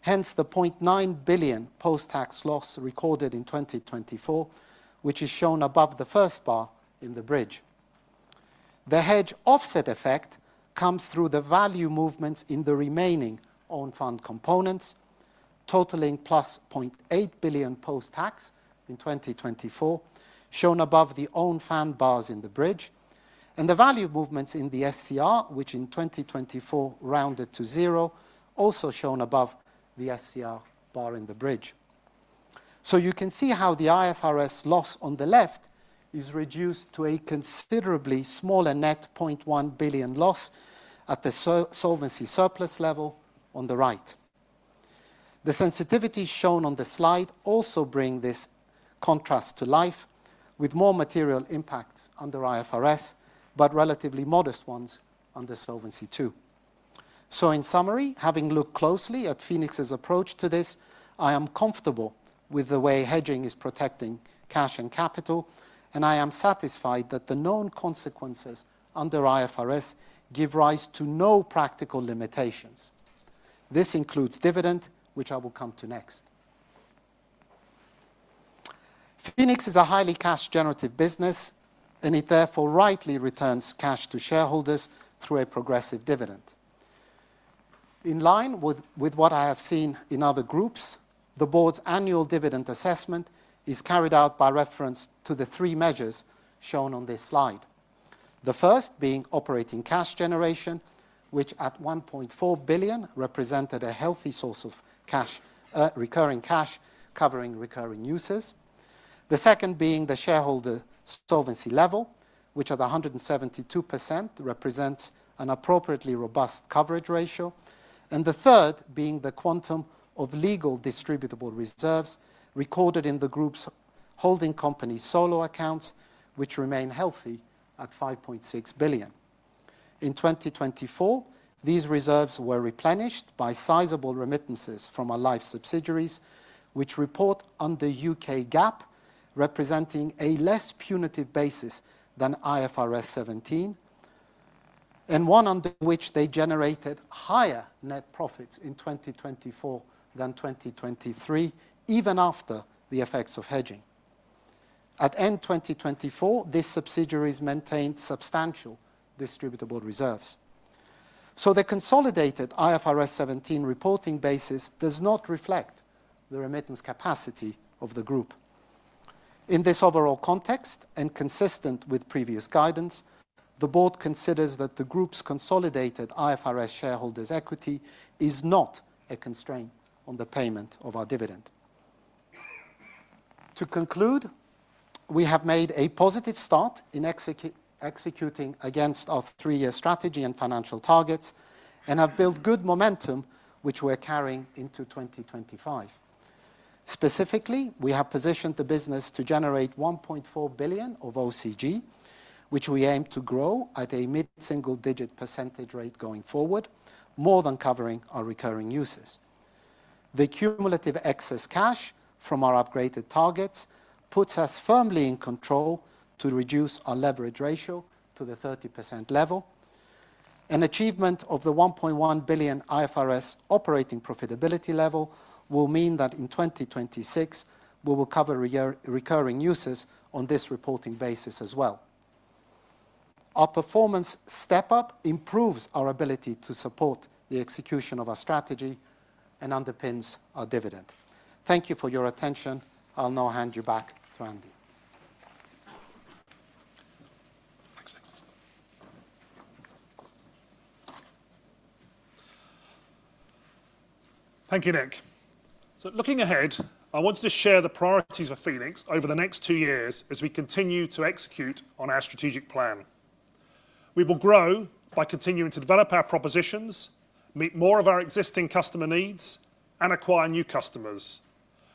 hence the 0.9 billion post-tax loss recorded in 2024, which is shown above the first bar in the bridge. The hedge offset effect comes through the value movements in the remaining owned fund components, totaling plus 0.8 billion post-tax in 2024, shown above the owned fund bars in the bridge, and the value movements in the SCR, which in 2024 rounded to zero, also shown above the SCR bar in the bridge. You can see how the IFRS loss on the left is reduced to a considerably smaller net 0.1 billion loss at the solvency surplus level on the right. The sensitivities shown on the slide also bring this contrast to life, with more material impacts under IFRS, but relatively modest ones under Solvency II. In summary, having looked closely at Phoenix's approach to this, I am comfortable with the way hedging is protecting cash and capital, and I am satisfied that the known consequences under IFRS give rise to no practical limitations. This includes dividend, which I will come to next. Phoenix is a highly cash-generative business, and it therefore rightly returns cash to shareholders through a progressive dividend. In line with what I have seen in other groups, the board's annual dividend assessment is carried out by reference to the three measures shown on this slide. The first being operating cash generation, which at 1.4 billion represented a healthy source of recurring cash covering recurring uses. The second being the shareholder solvency level, which at 172% represents an appropriately robust coverage ratio. The third being the quantum of legal distributable reserves recorded in the group's holding company solo accounts, which remain healthy at 5.6 billion. In 2024, these reserves were replenished by sizable remittances from our life subsidiaries, which report under U.K. GAAP representing a less punitive basis than IFRS 17, and one under which they generated higher net profits in 2024 than 2023, even after the effects of hedging. At end 2024, these subsidiaries maintained substantial distributable reserves. The consolidated IFRS 17 reporting basis does not reflect the remittance capacity of the group. In this overall context, and consistent with previous guidance, the board considers that the group's consolidated IFRS shareholders' equity is not a constraint on the payment of our dividend. To conclude, we have made a positive start in executing against our three-year strategy and financial targets and have built good momentum, which we're carrying into 2025. Specifically, we have positioned the business to generate 1.4 billion of OCG, which we aim to grow at a mid-single-digit % rate going forward, more than covering our recurring uses. The cumulative excess cash from our upgraded targets puts us firmly in control to reduce our leverage ratio to the 30% level. An achievement of the 1.1 billion IFRS operating profitability level will mean that in 2026, we will cover recurring uses on this reporting basis as well. Our performance step-up improves our ability to support the execution of our strategy and underpins our dividend. Thank you for your attention. I'll now hand you back to Andy. Thank you, Nic. Looking ahead, I wanted to share the priorities for Phoenix over the next two years as we continue to execute on our strategic plan. We will grow by continuing to develop our propositions, meet more of our existing customer needs, and acquire new customers.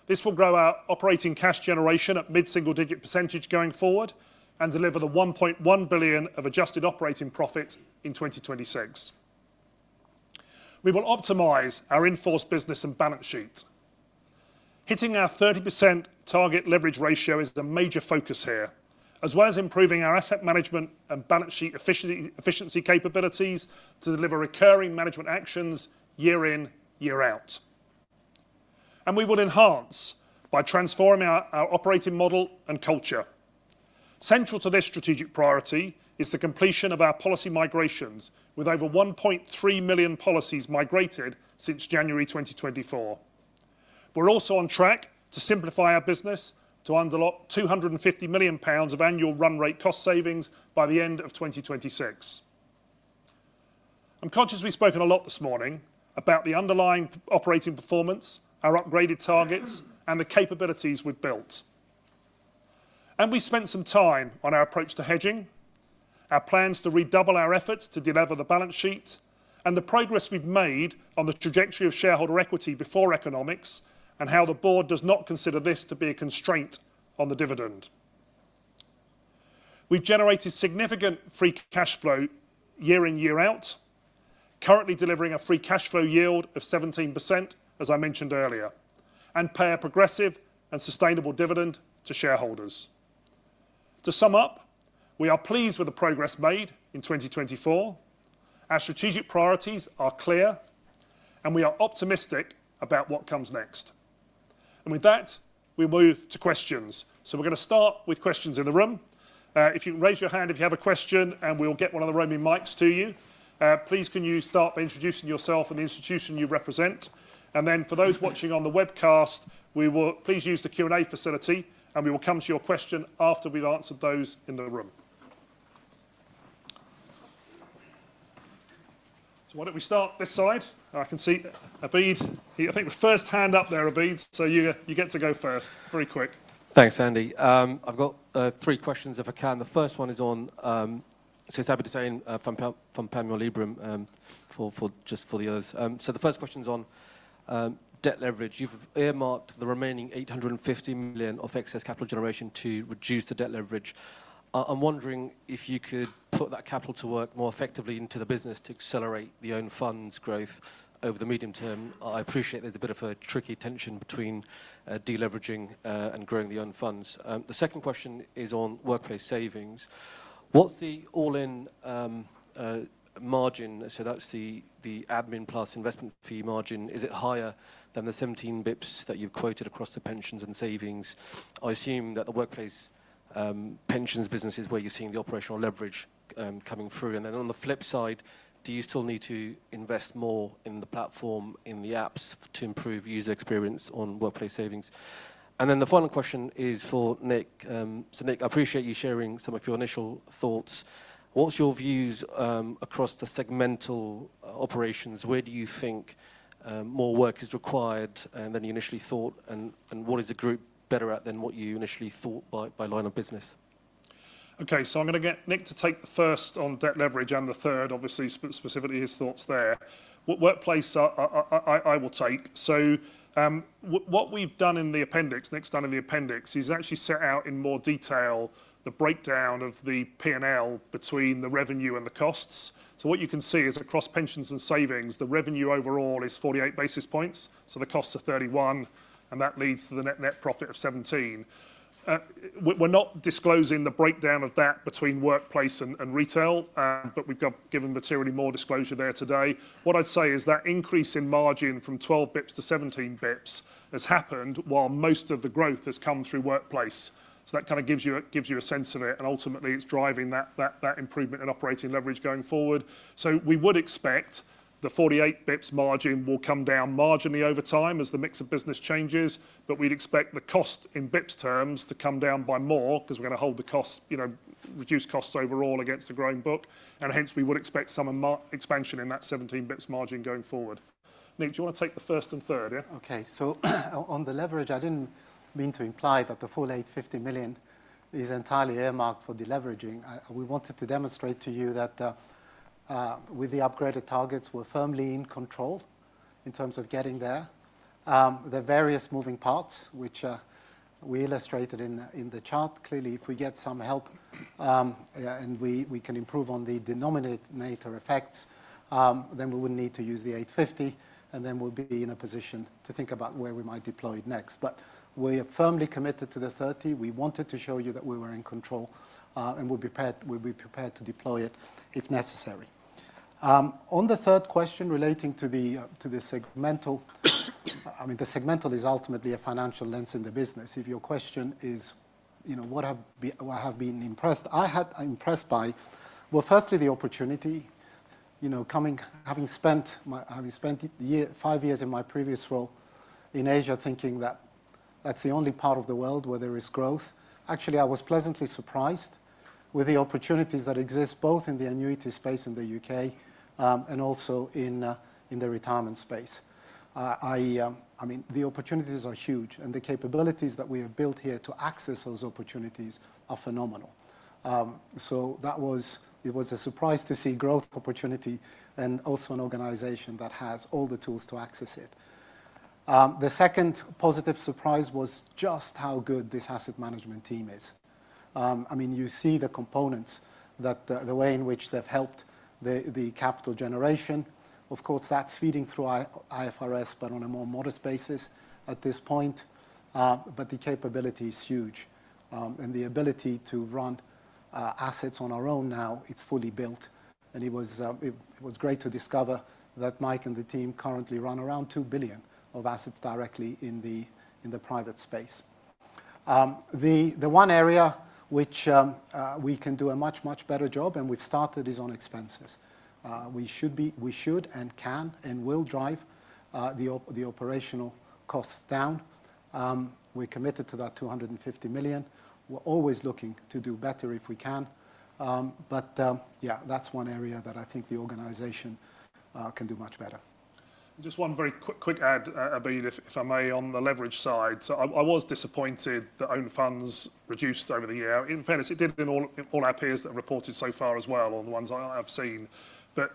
This will grow our operating cash generation at mid-single-digit % going forward and deliver the 1.1 billion of adjusted operating profit in 2026. We will optimize our in-force business and balance sheet. Hitting our 30% target leverage ratio is a major focus here, as well as improving our asset management and balance sheet efficiency capabilities to deliver recurring management actions year in, year out. We will enhance by transforming our operating model and culture. Central to this strategic priority is the completion of our policy migrations, with over 1.3 million policies migrated since January 2024. We're also on track to simplify our business to unlock 250 million pounds of annual run rate cost savings by the end of 2026. I'm conscious we've spoken a lot this morning about the underlying operating performance, our upgraded targets, and the capabilities we've built. We spent some time on our approach to hedging, our plans to redouble our efforts to deliver the balance sheet, and the progress we've made on the trajectory of shareholder equity before economics and how the board does not consider this to be a constraint on the dividend. We've generated significant free cash flow year in, year out, currently delivering a free cash flow yield of 17%, as I mentioned earlier, and pay a progressive and sustainable dividend to shareholders. To sum up, we are pleased with the progress made in 2024. Our strategic priorities are clear, and we are optimistic about what comes next. With that, we move to questions. We are going to start with questions in the room. If you can raise your hand if you have a question, we will get one of the roaming mics to you. Please start by introducing yourself and the institution you represent. For those watching on the webcast, please use the Q&A facility, and we will come to your question after we have answered those in the room. Why do we not start this side? I can see Abid. I think the first hand up there, Abid, so you get to go first very quick. Thanks, Andy. I have three questions, if I can. The first one is on, so it is Abid Hussain from BNP Paribas Exane just for the others. The first question is on debt leverage. You've earmarked the remaining 850 million of excess capital generation to reduce the debt leverage. I'm wondering if you could put that capital to work more effectively into the business to accelerate the owned funds growth over the medium term. I appreciate there's a bit of a tricky tension between deleveraging and growing the owned funds. The second question is on workplace savings. What's the all-in margin? So that's the admin plus investment fee margin. Is it higher than the 17 bps that you've quoted across the pensions and savings? I assume that the workplace pensions business is where you're seeing the operational leverage coming through. On the flip side, do you still need to invest more in the platform, in the apps, to improve user experience on workplace savings? The final question is for Nic. Nic, I appreciate you sharing some of your initial thoughts. What's your views across the segmental operations? Where do you think more work is required than you initially thought? What is the group better at than what you initially thought by line of business? Okay, I'm going to get Nic to take the first on debt leverage and the third, obviously, specifically his thoughts there. What workplace I will take. What we've done in the appendix, Nic's done in the appendix, is actually set out in more detail the breakdown of the P&L between the revenue and the costs. What you can see is across pensions and savings, the revenue overall is 48 bps. The costs are 31 bps, and that leads to the net net profit of 17 bps. We're not disclosing the breakdown of that between workplace and retail, but we've given materially more disclosure there today. What I'd say is that increase in margin from 12 bps to 17 bps has happened while most of the growth has come through workplace. That kind of gives you a sense of it. Ultimately, it's driving that improvement in operating leverage going forward. We would expect the 48 bps margin will come down marginally over time as the mix of business changes, but we'd expect the cost in bps terms to come down by more because we're going to hold the costs, reduce costs overall against the growing book. Hence, we would expect some expansion in that 17 bps margin going forward. Nic, do you want to take the first and third? Yeah. Okay. On the leverage, I did not mean to imply that the full 850 million is entirely earmarked for deleveraging. We wanted to demonstrate to you that with the upgraded targets, we are firmly in control in terms of getting there. The various moving parts, which we illustrated in the chart, clearly, if we get some help and we can improve on the denominator effects, then we would not need to use the 850 million, and then we will be in a position to think about where we might deploy it next. We are firmly committed to the 30 million. We wanted to show you that we were in control and we would be prepared to deploy it if necessary. On the third question relating to the segmental, I mean, the segmental is ultimately a financial lens in the business. If your question is what I have been impressed by, well, firstly, the opportunity. Having spent five years in my previous role in Asia thinking that that's the only part of the world where there is growth, actually, I was pleasantly surprised with the opportunities that exist both in the annuity space in the U.K. and also in the retirement space. I mean, the opportunities are huge, and the capabilities that we have built here to access those opportunities are phenomenal. It was a surprise to see growth opportunity and also an organization that has all the tools to access it. The second positive surprise was just how good this asset management team is. I mean, you see the components, the way in which they've helped the capital generation. Of course, that's feeding through IFRS, but on a more modest basis at this point. The capability is huge. The ability to run assets on our own now, it's fully built. It was great to discover that Mike and the team currently run around 2 billion of assets directly in the private space. The one area which we can do a much, much better job, and we have started, is on expenses. We should and can and will drive the operational costs down. We are committed to that 250 million. We are always looking to do better if we can. That is one area that I think the organization can do much better. Just one very quick add, Abid, if I may, on the leverage side. I was disappointed that owned funds reduced over the year. In fairness, it did in all our peers that have reported so far as well on the ones I have seen. I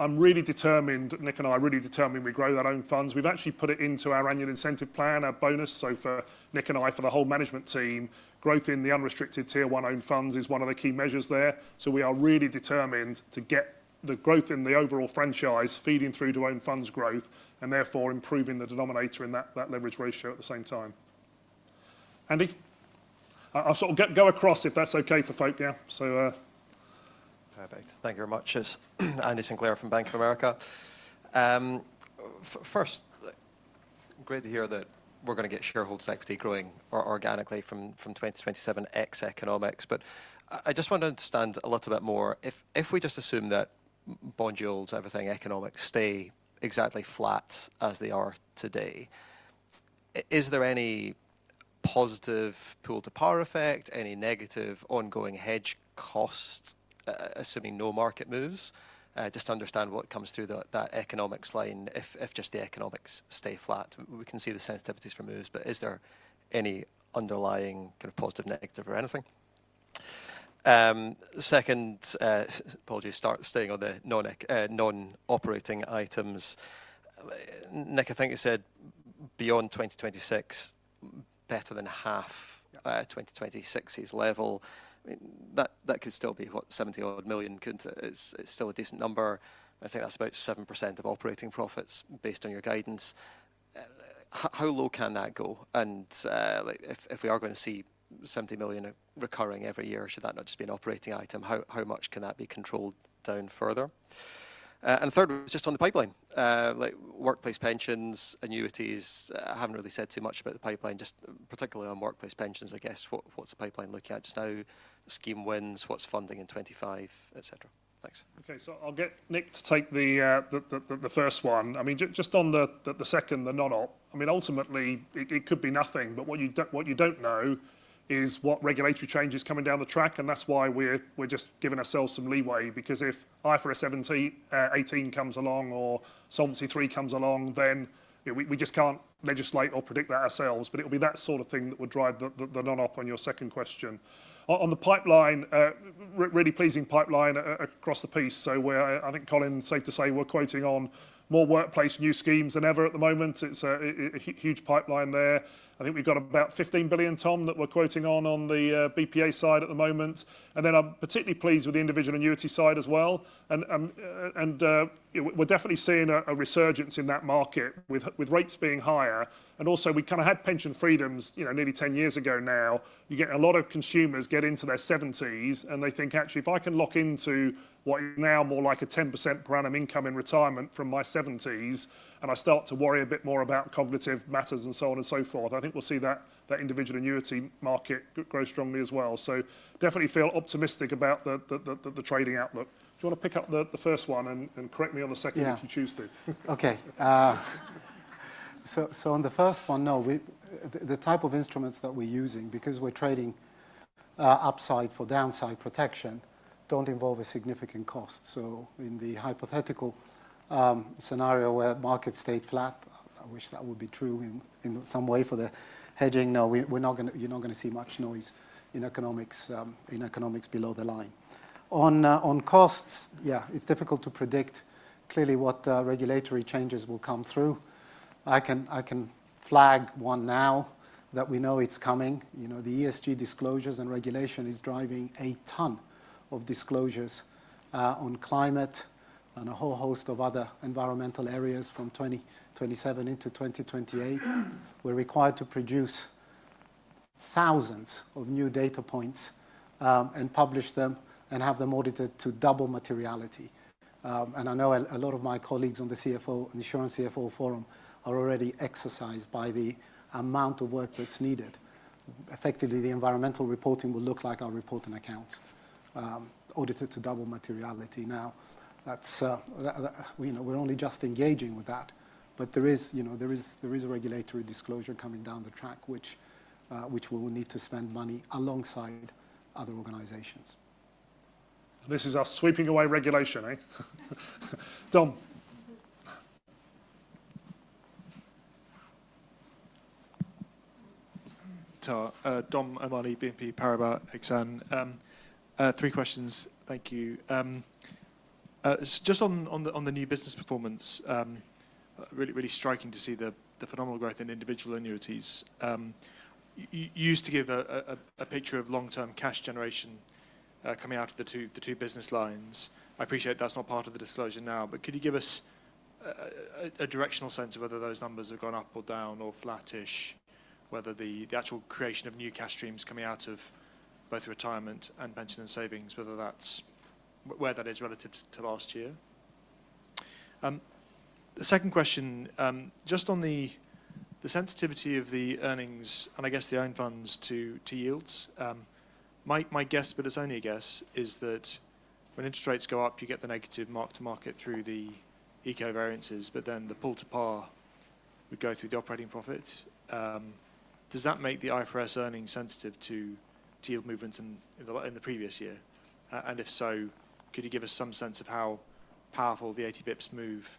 am really determined, Nic and I are really determined we grow that owned funds. We've actually put it into our annual incentive plan, our bonus. For Nic and I, for the whole management team, growth in the unrestricted tier one owned funds is one of the key measures there. We are really determined to get the growth in the overall franchise feeding through to owned funds growth and therefore improving the denominator in that leverage ratio at the same time. Andy, I'll sort of go across if that's okay for folk. Yeah. Perfect. Thank you very much, Andy Sinclair from Bank of America. First, great to hear that we're going to get shareholder equity growing organically from 2027 ex-economics. I just want to understand a little bit more. If we just assume that bond yields, everything economics stay exactly flat as they are today, is there any positive pool to power effect, any negative ongoing hedge costs, assuming no market moves? Just to understand what comes through that economics line, if just the economics stay flat, we can see the sensitivities for moves, but is there any underlying kind of positive, negative, or anything? Second, apology, start staying on the non-operating items. Nic, I think you said beyond 2026, better than half 2026's level. That could still be what, 70-odd million, could it not? It's still a decent number. I think that's about 7% of operating profits based on your guidance. How low can that go? If we are going to see 70 million recurring every year, should that not just be an operating item? How much can that be controlled down further? Third, just on the pipeline, workplace pensions, annuities, I haven't really said too much about the pipeline, just particularly on workplace pensions, I guess. What's the pipeline looking at just now? Scheme wins, what's funding in 2025, etc.? Thanks. Okay, I'll get Nic to take the first one. I mean, just on the second, the non-op, I mean, ultimately, it could be nothing, but what you don't know is what regulatory change is coming down the track, and that's why we're just giving ourselves some leeway, because if IFRS 17 comes along or Solvency II comes along, then we just can't legislate or predict that ourselves. It will be that sort of thing that would drive the non-op on your second question. On the pipeline, really pleasing pipeline across the piece. I think, Colin, safe to say, we're quoting on more workplace new schemes than ever at the moment. It's a huge pipeline there. I think we've got about 15 billion, Tom, that we're quoting on on the BPA side at the moment. I am particularly pleased with the individual annuity side as well. We're definitely seeing a resurgence in that market with rates being higher. Also, we kind of had pension freedoms nearly 10 years ago now. You get a lot of consumers get into their 70s, and they think, actually, if I can lock into what is now more like a 10% per annum income in retirement from my 70s, and I start to worry a bit more about cognitive matters and so on and so forth, I think we'll see that individual annuity market grow strongly as well. I definitely feel optimistic about the trading outlook. Do you want to pick up the first one and correct me on the second if you choose to? Okay. On the first one, no, the type of instruments that we're using, because we're trading upside for downside protection, do not involve a significant cost. In the hypothetical scenario where markets stayed flat, I wish that would be true in some way for the hedging. No, you're not going to see much noise in economics below the line. On costs, yeah, it's difficult to predict clearly what regulatory changes will come through. I can flag one now that we know is coming. The ESG disclosures and regulation is driving a ton of disclosures on climate and a whole host of other environmental areas from 2027 into 2028. We're required to produce thousands of new data points and publish them and have them audited to double materiality. I know a lot of my colleagues on the CFO, Insurance CFO Forum, are already exercised by the amount of work that's needed. Effectively, the environmental reporting will look like our reporting accounts audited to double materiality. Now, we're only just engaging with that, but there is a regulatory disclosure coming down the track, which we will need to spend money alongside other organizations. This is our sweeping away regulation, Tom. Tom, Amari, BNP Paribas Exane. Three questions. Thank you. Just on the new business performance, really striking to see the phenomenal growth in individual annuities. You used to give a picture of long-term cash generation coming out of the two business lines. I appreciate that's not part of the disclosure now, but could you give us a directional sense of whether those numbers have gone up or down or flattish, whether the actual creation of new cash streams coming out of both retirement and pension and savings, whether that's where that is relative to last year? The second question, just on the sensitivity of the earnings and I guess the owned funds to yields, my guess, but it's only a guess, is that when interest rates go up, you get the negative mark to market through the equal variances, but then the pool to power would go through the operating profits. Does that make the IFRS earnings sensitive to yield movements in the previous year? If so, could you give us some sense of how powerful the 80 bps move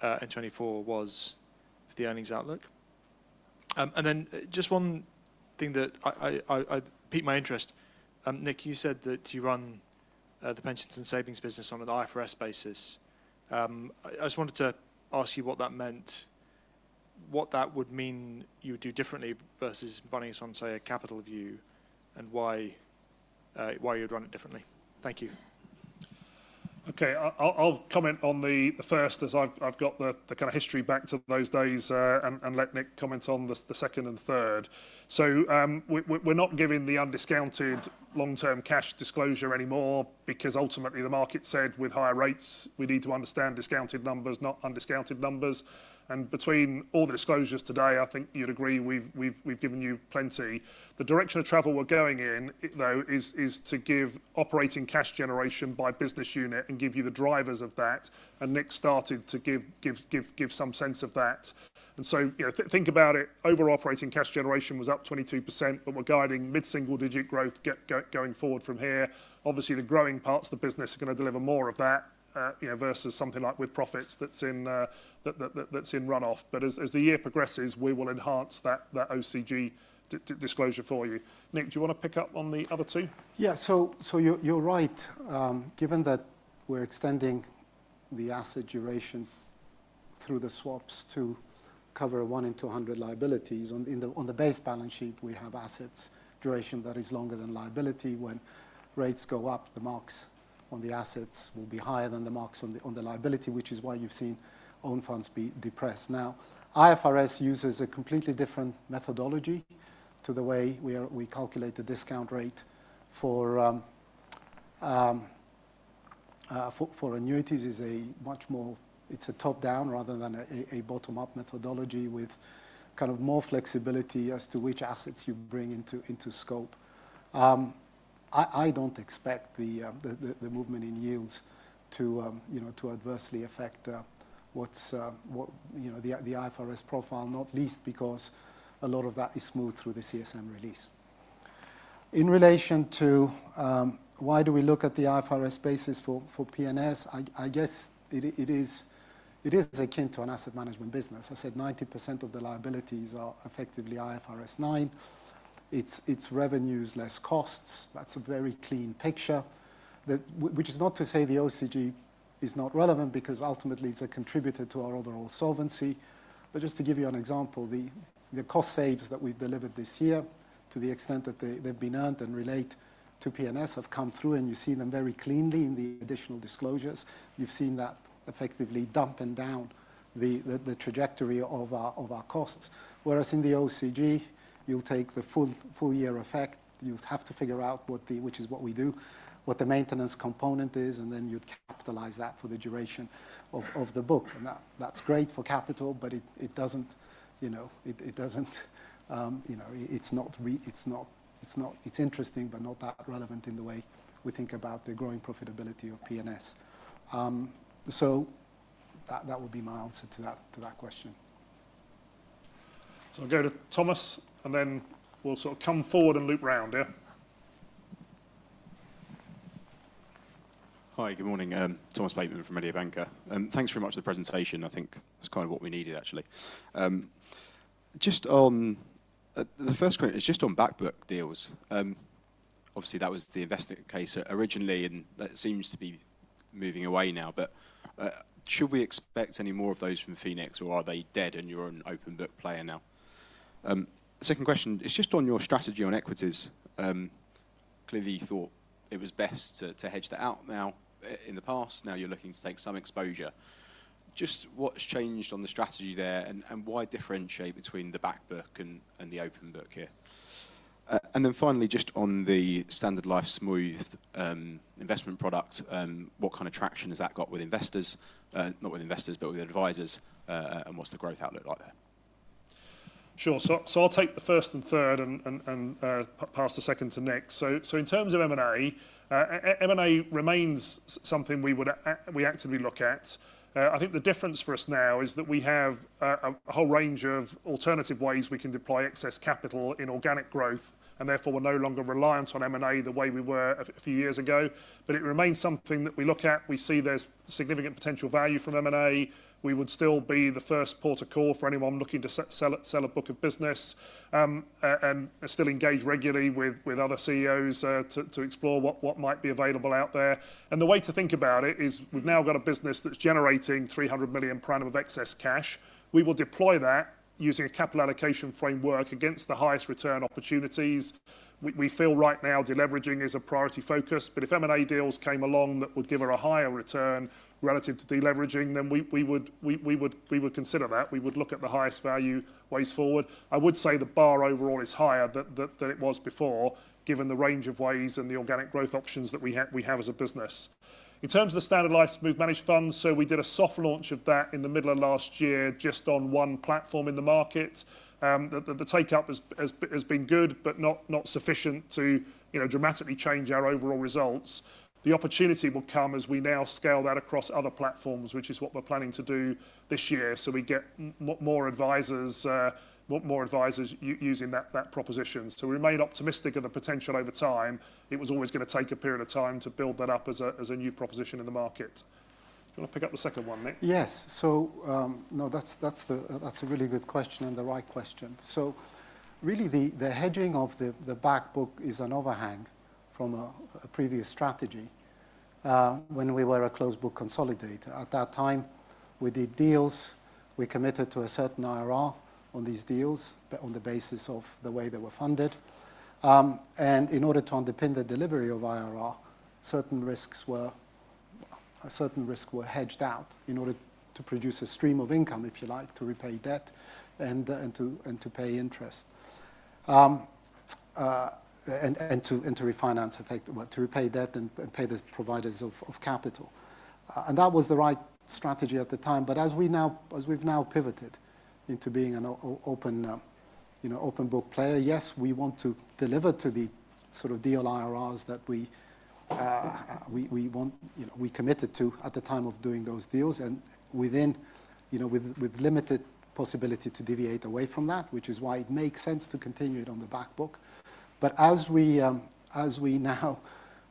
in 2024 was for the earnings outlook? Just one thing that piqued my interest. Nic, you said that you run the pensions and savings business on an IFRS basis. I just wanted to ask you what that meant, what that would mean you would do differently versus running it on, say, a capital view, and why you'd run it differently. Thank you. Okay, I'll comment on the first as I've got the kind of history back to those days and let Nic comment on the second and third. We are not giving the undiscounted long-term cash disclosure anymore because ultimately the market said with higher rates, we need to understand discounted numbers, not undiscounted numbers. Between all the disclosures today, I think you'd agree we've given you plenty. The direction of travel we're going in, though, is to give operating cash generation by business unit and give you the drivers of that. Nic started to give some sense of that. Think about it, overall operating cash generation was up 22%, but we're guiding mid-single digit growth going forward from here. Obviously, the growing parts of the business are going to deliver more of that versus something like with profits that's in runoff. As the year progresses, we will enhance that OCG disclosure for you. Nic, do you want to pick up on the other two? Yeah, you're right. Given that we're extending the asset duration through the swaps to cover one in 200 liabilities, on the base balance sheet, we have assets duration that is longer than liability. When rates go up, the marks on the assets will be higher than the marks on the liability, which is why you've seen owned funds be depressed. Now, IFRS uses a completely different methodology to the way we calculate the discount rate for annuities. It's a top-down rather than a bottom-up methodology with kind of more flexibility as to which assets you bring into scope. I don't expect the movement in yields to adversely affect the IFRS profile, not least because a lot of that is smoothed through the CSM release. In relation to why do we look at the IFRS basis for P&S, I guess it is akin to an asset management business. I said 90% of the liabilities are effectively IFRS 9. It's revenues less costs. That's a very clean picture, which is not to say the OCG is not relevant because ultimately it's a contributor to our overall solvency. Just to give you an example, the cost savings that we've delivered this year to the extent that they've been earned and relate to P&S have come through, and you see them very cleanly in the additional disclosures. You've seen that effectively dumping down the trajectory of our costs. Whereas in the OCG, you'll take the full year effect. You have to figure out, which is what we do, what the maintenance component is, and then you'd capitalize that for the duration of the book. That's great for capital, but it doesn't—it's interesting, but not that relevant in the way we think about the growing profitability of P&S. That would be my answer to that question. I'll go to Thomas, and then we'll sort of come forward and loop round, yeah? Hi, good morning. Thomas Bateman from Mediobanca. Thanks very much for the presentation. I think that's kind of what we needed, actually. Just on the first question, it's just on BackBook deals. Obviously, that was the investment case originally, and that seems to be moving away now. But should we expect any more of those from Phoenix, or are they dead and you're an open book player now? Second question, it's just on your strategy on equities. Clearly, you thought it was best to hedge that out now in the past. Now you're looking to take some exposure. Just what's changed on the strategy there, and why differentiate between the BackBook and the open book here? Finally, just on the Standard Life Smooth Managed Fund, what kind of traction has that got with investors? Not with investors, but with advisors, and what's the growth outlook like there? Sure. I'll take the first and third and pass the second to Nic. In terms of M&A, M&A remains something we actively look at. I think the difference for us now is that we have a whole range of alternative ways we can deploy excess capital in organic growth, and therefore we're no longer reliant on M&A the way we were a few years ago. It remains something that we look at. We see there's significant potential value from M&A. We would still be the first port of call for anyone looking to sell a book of business and still engage regularly with other CEOs to explore what might be available out there. The way to think about it is we've now got a business that's generating 300 million per annum of excess cash. We will deploy that using a capital allocation framework against the highest return opportunities. We feel right now deleveraging is a priority focus, but if M&A deals came along that would give her a higher return relative to deleveraging, then we would consider that. We would look at the highest value ways forward. I would say the bar overall is higher than it was before, given the range of ways and the organic growth options that we have as a business. In terms of the Standard Life Smooth Managed Fund, we did a soft launch of that in the middle of last year just on one platform in the market. The take-up has been good, but not sufficient to dramatically change our overall results. The opportunity will come as we now scale that across other platforms, which is what we are planning to do this year. We get more advisors, more advisors using that proposition. We remain optimistic of the potential over time. It was always going to take a period of time to build that up as a new proposition in the market. Do you want to pick up the second one, Nic? Yes. No, that's a really good question and the right question. Really, the hedging of the BackBook is an overhang from a previous strategy when we were a closed book consolidator. At that time, we did deals. We committed to a certain IRR on these deals on the basis of the way they were funded. In order to underpin the delivery of IRR, certain risks were hedged out in order to produce a stream of income, if you like, to repay debt and to pay interest and to refinance, to repay debt and pay the providers of capital. That was the right strategy at the time. As we have now pivoted into being an open book player, yes, we want to deliver to the sort of deal IRRs that we committed to at the time of doing those deals and with limited possibility to deviate away from that, which is why it makes sense to continue it on the BackBook. As we have now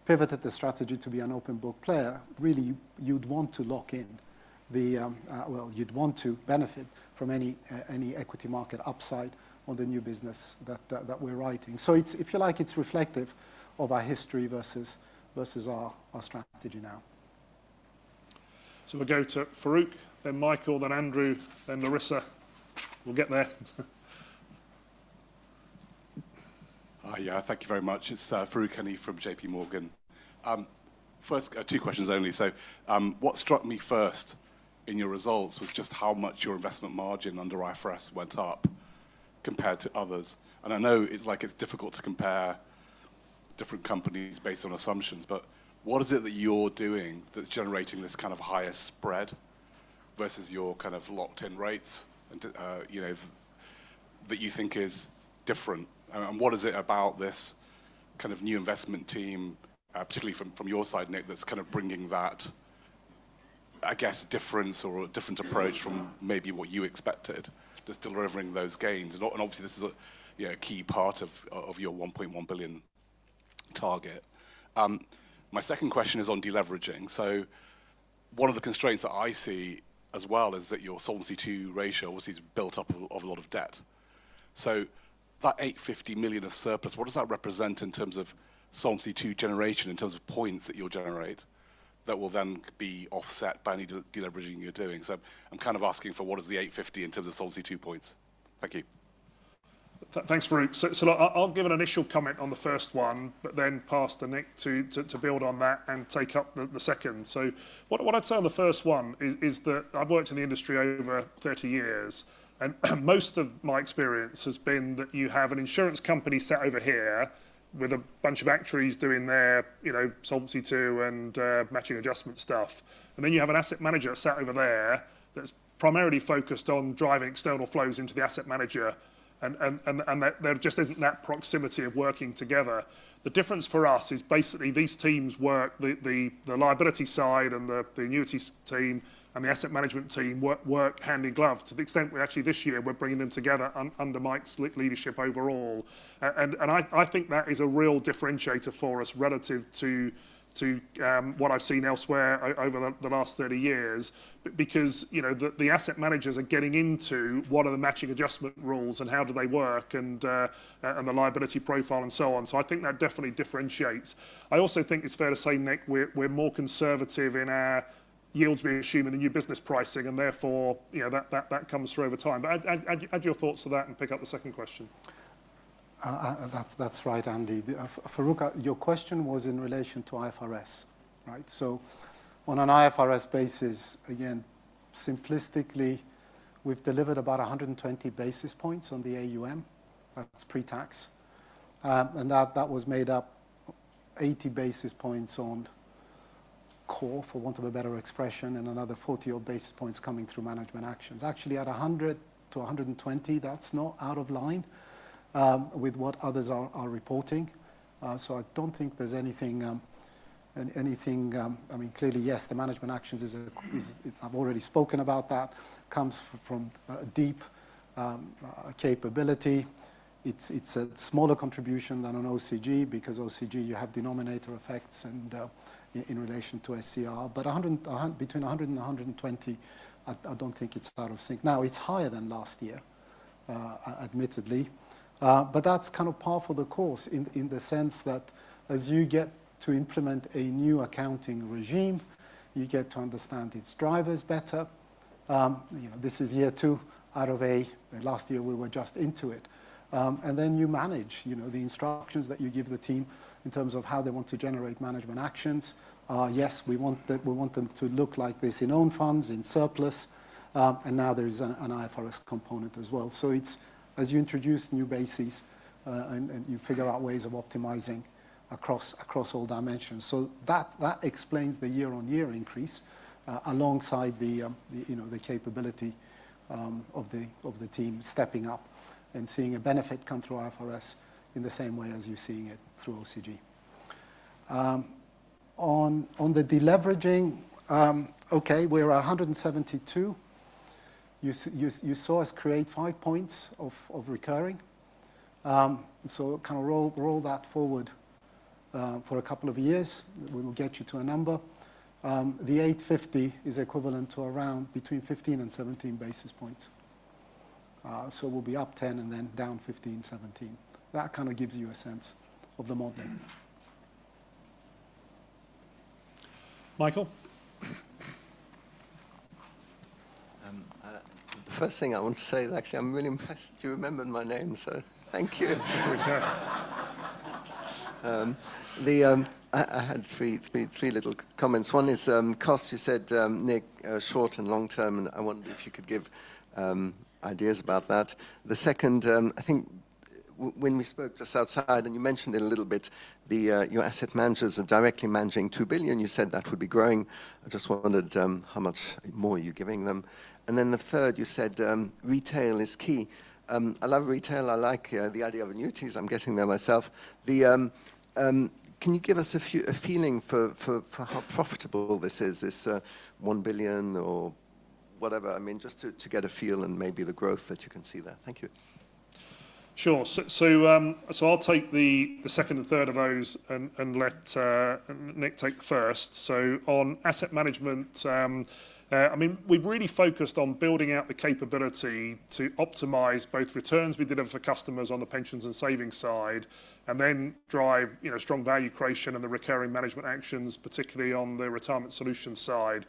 pivoted the strategy to be an open book player, really, you would want to lock in the—you would want to benefit from any equity market upside on the new business that we are writing. If you like, it is reflective of our history versus our strategy now. We will go to Farooq, then Michael, then Andrew, then Larissa. We will get there. Hi, yeah, thank you very much. It is Farooq Hanif from JPMorgan. First, two questions only. What struck me first in your results was just how much your investment margin under IFRS went up compared to others. I know it's difficult to compare different companies based on assumptions, but what is it that you're doing that's generating this kind of higher spread versus your kind of locked-in rates that you think is different? What is it about this kind of new investment team, particularly from your side, Nic, that's kind of bringing that, I guess, difference or a different approach from maybe what you expected to delivering those gains? Obviously, this is a key part of your 1.1 billion target. My second question is on deleveraging. One of the constraints that I see as well is that your Solvency II ratio obviously is built up of a lot of debt. That 850 million of surplus, what does that represent in terms of Solvency II generation, in terms of points that you'll generate that will then be offset by any deleveraging you're doing? I'm kind of asking for what is the 850 million in terms of Solvency II points. Thank you. Thanks, Farooq. I'll give an initial comment on the first one, but then pass to Nic to build on that and take up the second. What I'd say on the first one is that I've worked in the industry over 30 years, and most of my experience has been that you have an insurance company sat over here with a bunch of actuaries doing their Solvency II and Matching Adjustment stuff. You have an asset manager sat over there that's primarily focused on driving external flows into the asset manager, and there just isn't that proximity of working together. The difference for us is basically these teams work, the liability side and the annuities team and the asset management team work hand in glove to the extent we actually this year we're bringing them together under Mike's leadership overall. I think that is a real differentiator for us relative to what I've seen elsewhere over the last 30 years because the asset managers are getting into what are the matching adjustment rules and how do they work and the liability profile and so on. I think that definitely differentiates. I also think it's fair to say, Nic, we're more conservative in our yields we assume in the new business pricing, and therefore that comes through over time. Add your thoughts to that and pick up the second question. That's right, Andy. Farooq, your question was in relation to IFRS, right? On an IFRS basis, again, simplistically, we've delivered about 120 bps on the AUM. That's pre-tax. That was made up of 80 bps on core, for want of a better expression, and another 40 odd bps coming through management actions. Actually, at 100 bps to 120 bps, that's not out of line with what others are reporting. I don't think there's anything—I mean, clearly, yes, the management actions is—I've already spoken about that—comes from deep capability. It's a smaller contribution than an OCG because OCG, you have denominator effects in relation to SCR. Between 100 bps and 120 bps, I don't think it's out of sync. It's higher than last year, admittedly. That's kind of par for the course in the sense that as you get to implement a new accounting regime, you get to understand its drivers better. This is year two out of a—last year we were just into it. You manage the instructions that you give the team in terms of how they want to generate management actions. Yes, we want them to look like this in own funds, in surplus. Now there is an IFRS component as well. As you introduce new bases, you figure out ways of optimizing across all dimensions. That explains the year-on-year increase alongside the capability of the team stepping up and seeing a benefit come through IFRS in the same way as you're seeing it through OCG. On the deleveraging, we're at 172 bps. You saw us create five points of recurring. Kind of roll that forward for a couple of years. We will get you to a number. The 850 million is equivalent to around between 15 bps and 17 bps. We will be up 10 bps and then down 15 bps, 17 bps. That kind of gives you a sense of the modelling. Michael. The first thing I want to say is actually I am really impressed you remembered my name, so thank you. I had three little comments. One is cost, you said, Nic, short and long term, and I wondered if you could give ideas about that. The second, I think when we spoke just outside, and you mentioned it a little bit, your asset managers are directly managing two billion. You said that would be growing. I just wondered how much more you are giving them. And then the third, you said retail is key. I love retail. I like the idea of annuities. I'm getting there myself. Can you give us a feeling for how profitable this is, this 1 billion or whatever? I mean, just to get a feel and maybe the growth that you can see there. Thank you. Sure. I'll take the second and third of those and let Nic take the first. On asset management, I mean, we've really focused on building out the capability to optimize both returns we deliver for customers on the pensions and savings side and then drive strong value creation and the recurring management actions, particularly on the retirement solution side.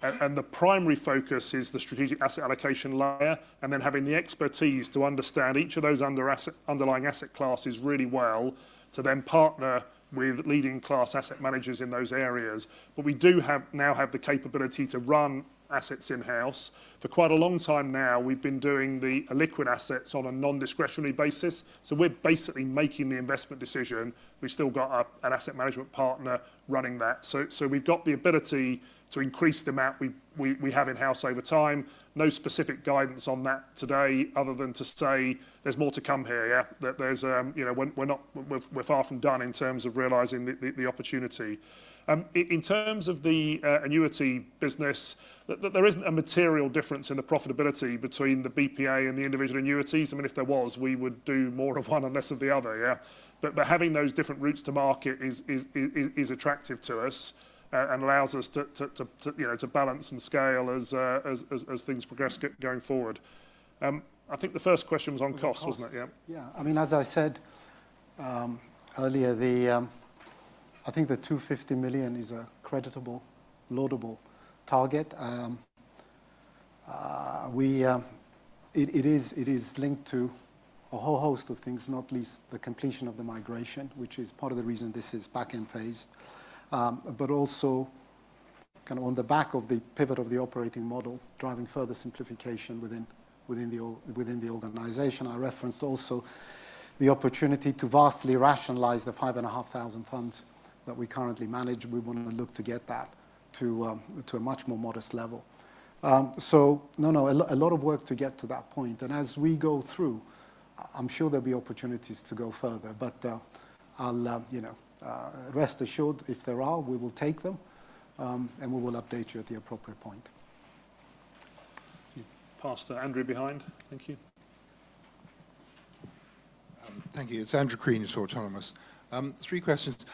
The primary focus is the strategic asset allocation layer and then having the expertise to understand each of those underlying asset classes really well to then partner with leading class asset managers in those areas. We do now have the capability to run assets in-house. For quite a long time now, we've been doing the liquid assets on a non-discretionary basis. We're basically making the investment decision. We've still got an asset management partner running that. We've got the ability to increase the amount we have in-house over time. No specific guidance on that today other than to say there's more to come here. We're far from done in terms of realizing the opportunity. In terms of the annuity business, there isn't a material difference in the profitability between the BPA and the individual annuities. I mean, if there was, we would do more of one and less of the other. Having those different routes to market is attractive to us and allows us to balance and scale as things progress going forward. I think the first question was on cost, wasn't it? Yeah. Yeah. I mean, as I said earlier, I think the 250 million is a creditable, laudable target. It is linked to a whole host of things, not least the completion of the migration, which is part of the reason this is back-end phased, but also kind of on the back of the pivot of the operating model, driving further simplification within the organization. I referenced also the opportunity to vastly rationalize the 5,500 funds that we currently manage. We want to look to get that to a much more modest level. No, no, a lot of work to get to that point. As we go through, I'm sure there will be opportunities to go further, but rest assured, if there are, we will take them and we will update you at the appropriate point. Pass to Andrew behind. Thank you. Thank you. It's Andrew Crean at Autonomous. Three questions.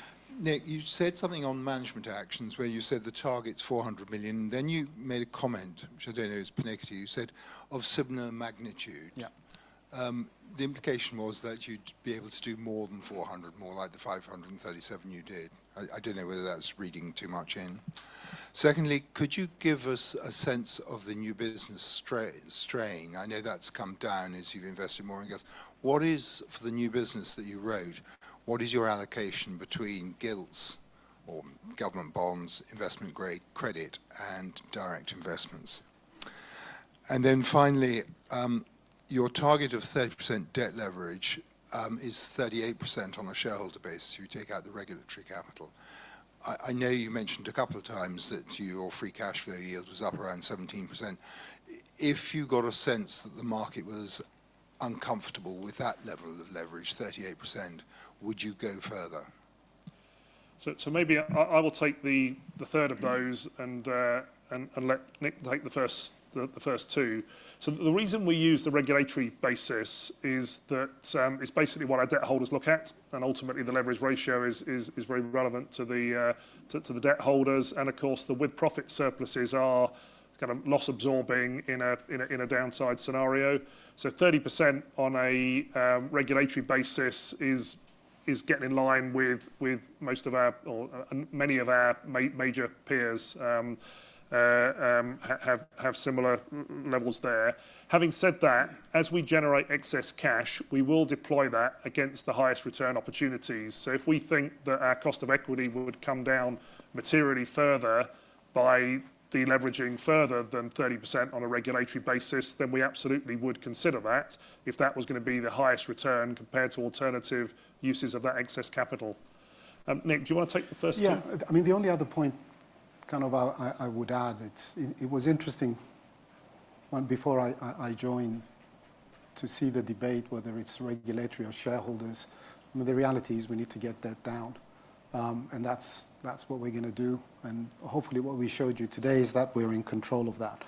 Nic, you said something on management actions where you said the target's 400 million. Then you made a comment, which I don't know is pernickety. You said of similar magnitude. The implication was that you'd be able to do more than 400 million, more like the 537 million you did. I don't know whether that's reading too much in. Secondly, could you give us a sense of the new business strain? I know that's come down as you've invested more in gilts. What is for the new business that you wrote, what is your allocation between gilts or government bonds, investment-grade credit, and direct investments? Finally, your target of 30% debt leverage is 38% on a shareholder basis if you take out the regulatory capital. I know you mentioned a couple of times that your free cash flow yield was up around 17%. If you got a sense that the market was uncomfortable with that level of leverage, 38%, would you go further? Maybe I will take the third of those and let Nic take the first two. The reason we use the regulatory basis is that it is basically what our debt holders look at, and ultimately the leverage ratio is very relevant to the debt holders. Of course, the with profit surpluses are kind of loss absorbing in a downside scenario. Thirty percent on a regulatory basis is getting in line with most of our or many of our major peers have similar levels there. Having said that, as we generate excess cash, we will deploy that against the highest return opportunities. If we think that our cost of equity would come down materially further by deleveraging further than 30% on a regulatory basis, then we absolutely would consider that if that was going to be the highest return compared to alternative uses of that excess capital. Nic, do you want to take the first two? Yeah. I mean, the only other point I would add, it was interesting before I joined to see the debate, whether it is regulatory or shareholders. I mean, the reality is we need to get that down, and that is what we are going to do. Hopefully what we showed you today is that we are in control of that.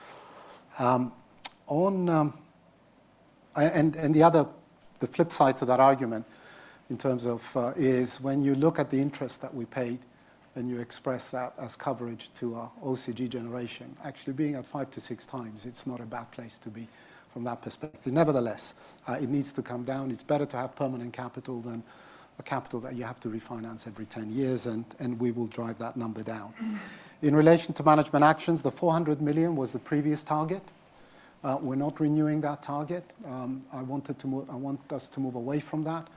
The flip side to that argument in terms of is when you look at the interest that we paid and you express that as coverage to our OCG generation, actually being at five to six times, it's not a bad place to be from that perspective. Nevertheless, it needs to come down. It's better to have permanent capital than a capital that you have to refinance every 10 years, and we will drive that number down. In relation to management actions, the 400 million was the previous target. We're not renewing that target. I want us to move away from that.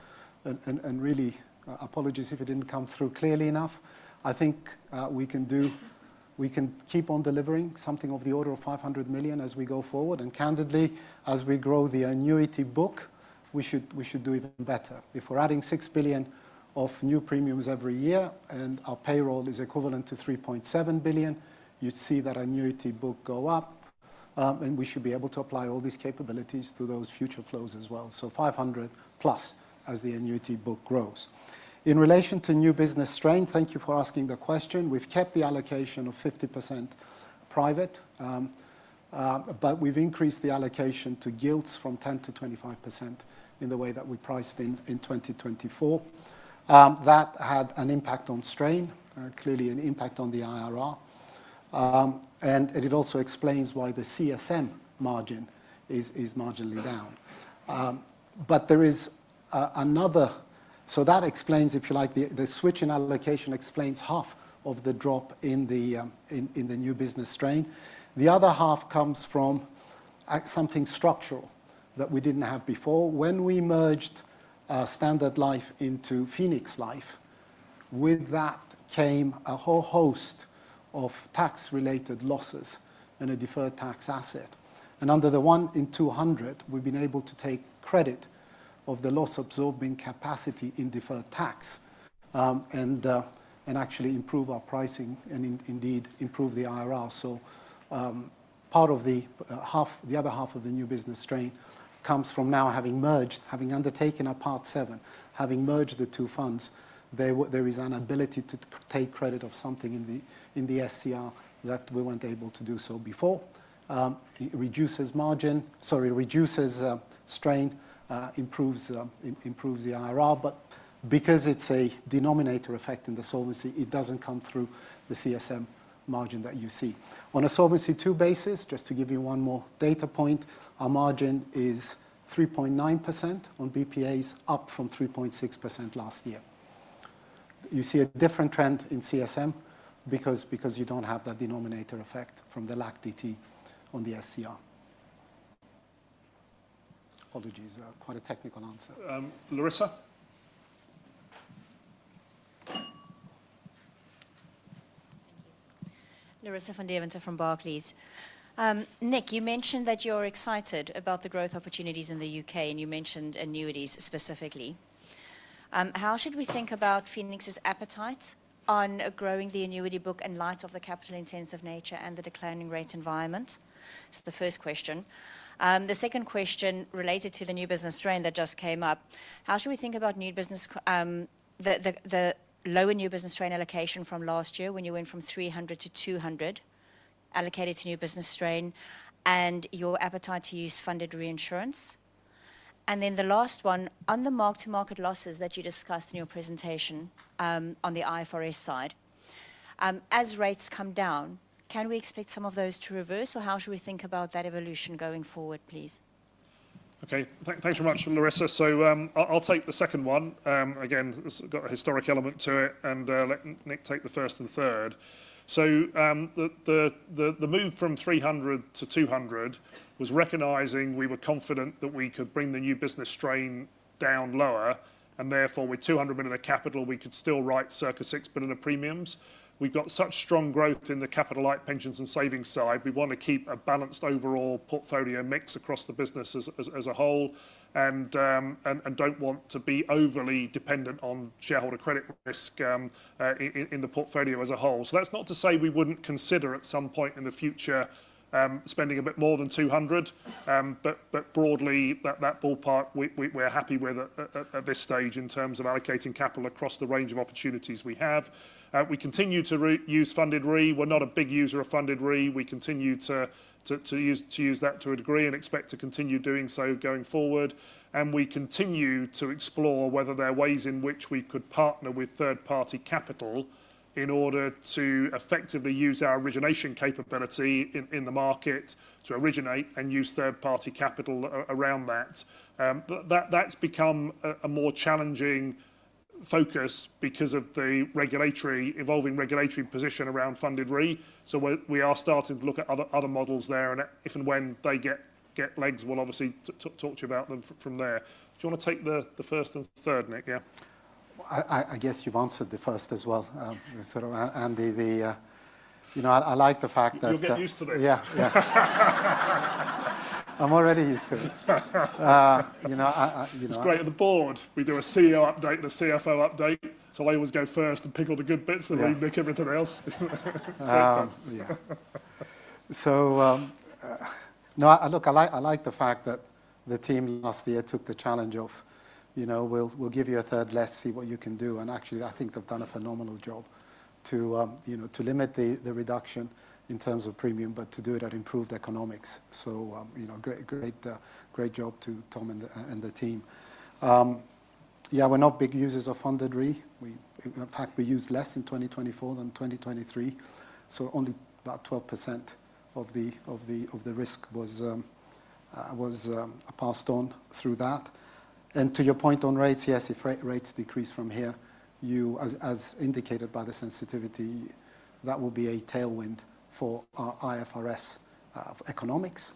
Really, apologies if it didn't come through clearly enough. I think we can keep on delivering something of the order of 500 million as we go forward. Candidly, as we grow the annuity book, we should do even better. If we're adding 6 billion of new premiums every year and our payroll is equivalent to 3.7 billion, you'd see that annuity book go up, and we should be able to apply all these capabilities to those future flows as well. 500+ as the annuity book grows. In relation to new business strain, thank you for asking the question. We've kept the allocation of 50% private, but we've increased the allocation to gilts from 10% to 25% in the way that we priced in 2024. That had an impact on strain, clearly an impact on the IRR, and it also explains why the CSM margin is marginally down. There is another, so that explains, if you like, the switch in allocation explains half of the drop in the new business strain. The other half comes from something structural that we didn't have before. When we merged Standard Life into Phoenix Life, with that came a whole host of tax-related losses and a deferred tax asset. Under the one in 200, we've been able to take credit of the loss absorbing capacity in deferred tax and actually improve our pricing and indeed improve the IRR. Part of the other half of the new business strain comes from now having merged, having undertaken a part seven, having merged the two funds. There is an ability to take credit of something in the SCR that we were not able to do so before. It reduces strain, improves the IRR, but because it is a denominator effect in the solvency, it does not come through the CSM margin that you see. On a Solvency II basis, just to give you one more data point, our margin is 3.9% on BPAs, up from 3.6% last year. You see a different trend in CSM because you do not have that denominator effect from the lack DT on the SCR. Apologies, quite a technical answer. Larissa? Larissa van Deventer from Barclays. Nic, you mentioned that you are excited about the growth opportunities in the U.K., and you mentioned annuities specifically. How should we think about Phoenix's appetite on growing the annuity book in light of the capital intensive nature and the declining rate environment? The first question. The second question related to the new business strain that just came up, how should we think about the lower new business strain allocation from last year when you went from 300 million to 200 million allocated to new business strain and your appetite to use funded reinsurance? Then the last one, on the mark-to-market losses that you discussed in your presentation on the IFRS side, as rates come down, can we expect some of those to reverse or how should we think about that evolution going forward, please? Okay. Thanks very much, Larissa. I'll take the second one. Again, it's got a historic element to it, and let Nic take the first and third. The move from 300 million to 200 million was recognizing we were confident that we could bring the new business strain down lower, and therefore with 200 million of capital, we could still write circa 6 billion of premiums. We've got such strong growth in the capital-like pensions and savings side, we want to keep a balanced overall portfolio mix across the business as a whole and don't want to be overly dependent on shareholder credit risk in the portfolio as a whole. That's not to say we wouldn't consider at some point in the future spending a bit more than 200 million, but broadly, that ballpark we're happy with at this stage in terms of allocating capital across the range of opportunities we have. We continue to use funded re. We're not a big user of funded re. We continue to use that to a degree and expect to continue doing so going forward. We continue to explore whether there are ways in which we could partner with third-party capital in order to effectively use our origination capability in the market to originate and use third-party capital around that. That has become a more challenging focus because of the evolving regulatory position around funded re. We are starting to look at other models there, and if and when they get legs, we will obviously talk to you about them from there. Do you want to take the first and third, Nic? Yeah. I guess you have answered the first as well. Andy, I like the fact that you will get used to this. Yeah. I am already used to it. It is great at the board. We do a CEO update and a CFO update. I always go first and pick all the good bits and then make everything else. No, I like the fact that the team last year took the challenge of, "We'll give you a third, let's see what you can do." Actually, I think they've done a phenomenal job to limit the reduction in terms of premium, but to do it at improved economics. Great job to Tom and the team. Yeah, we're not big users of funded re. In fact, we used less in 2024 than 2023. Only about 12% of the risk was passed on through that. To your point on rates, yes, if rates decrease from here, as indicated by the sensitivity, that will be a tailwind for our IFRS economics,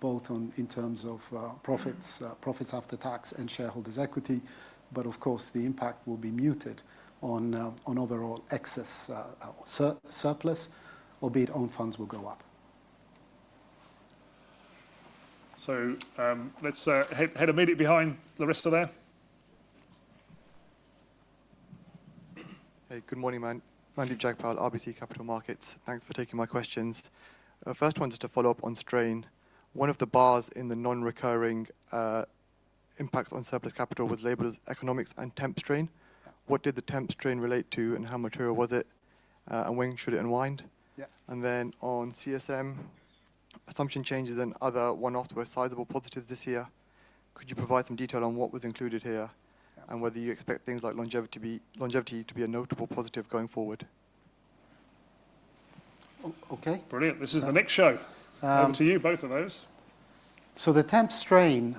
both in terms of profits after tax and shareholders' equity. Of course, the impact will be muted on overall excess surplus, albeit own funds will go up. Head immediately behind Larissa there. Hey, good morning, my name is Jack Powell, RBC Capital Markets. Thanks for taking my questions. First one is to follow up on strain. One of the bars in the non-recurring impact on surplus capital was labeled as economics and temp strain. What did the temp strain relate to and how material was it and when should it unwind? On CSM, assumption changes and other one-offs were sizable positives this year. Could you provide some detail on what was included here and whether you expect things like longevity to be a notable positive going forward? Okay. Brilliant. This is the next show. Over to you, both of those. The temp strain,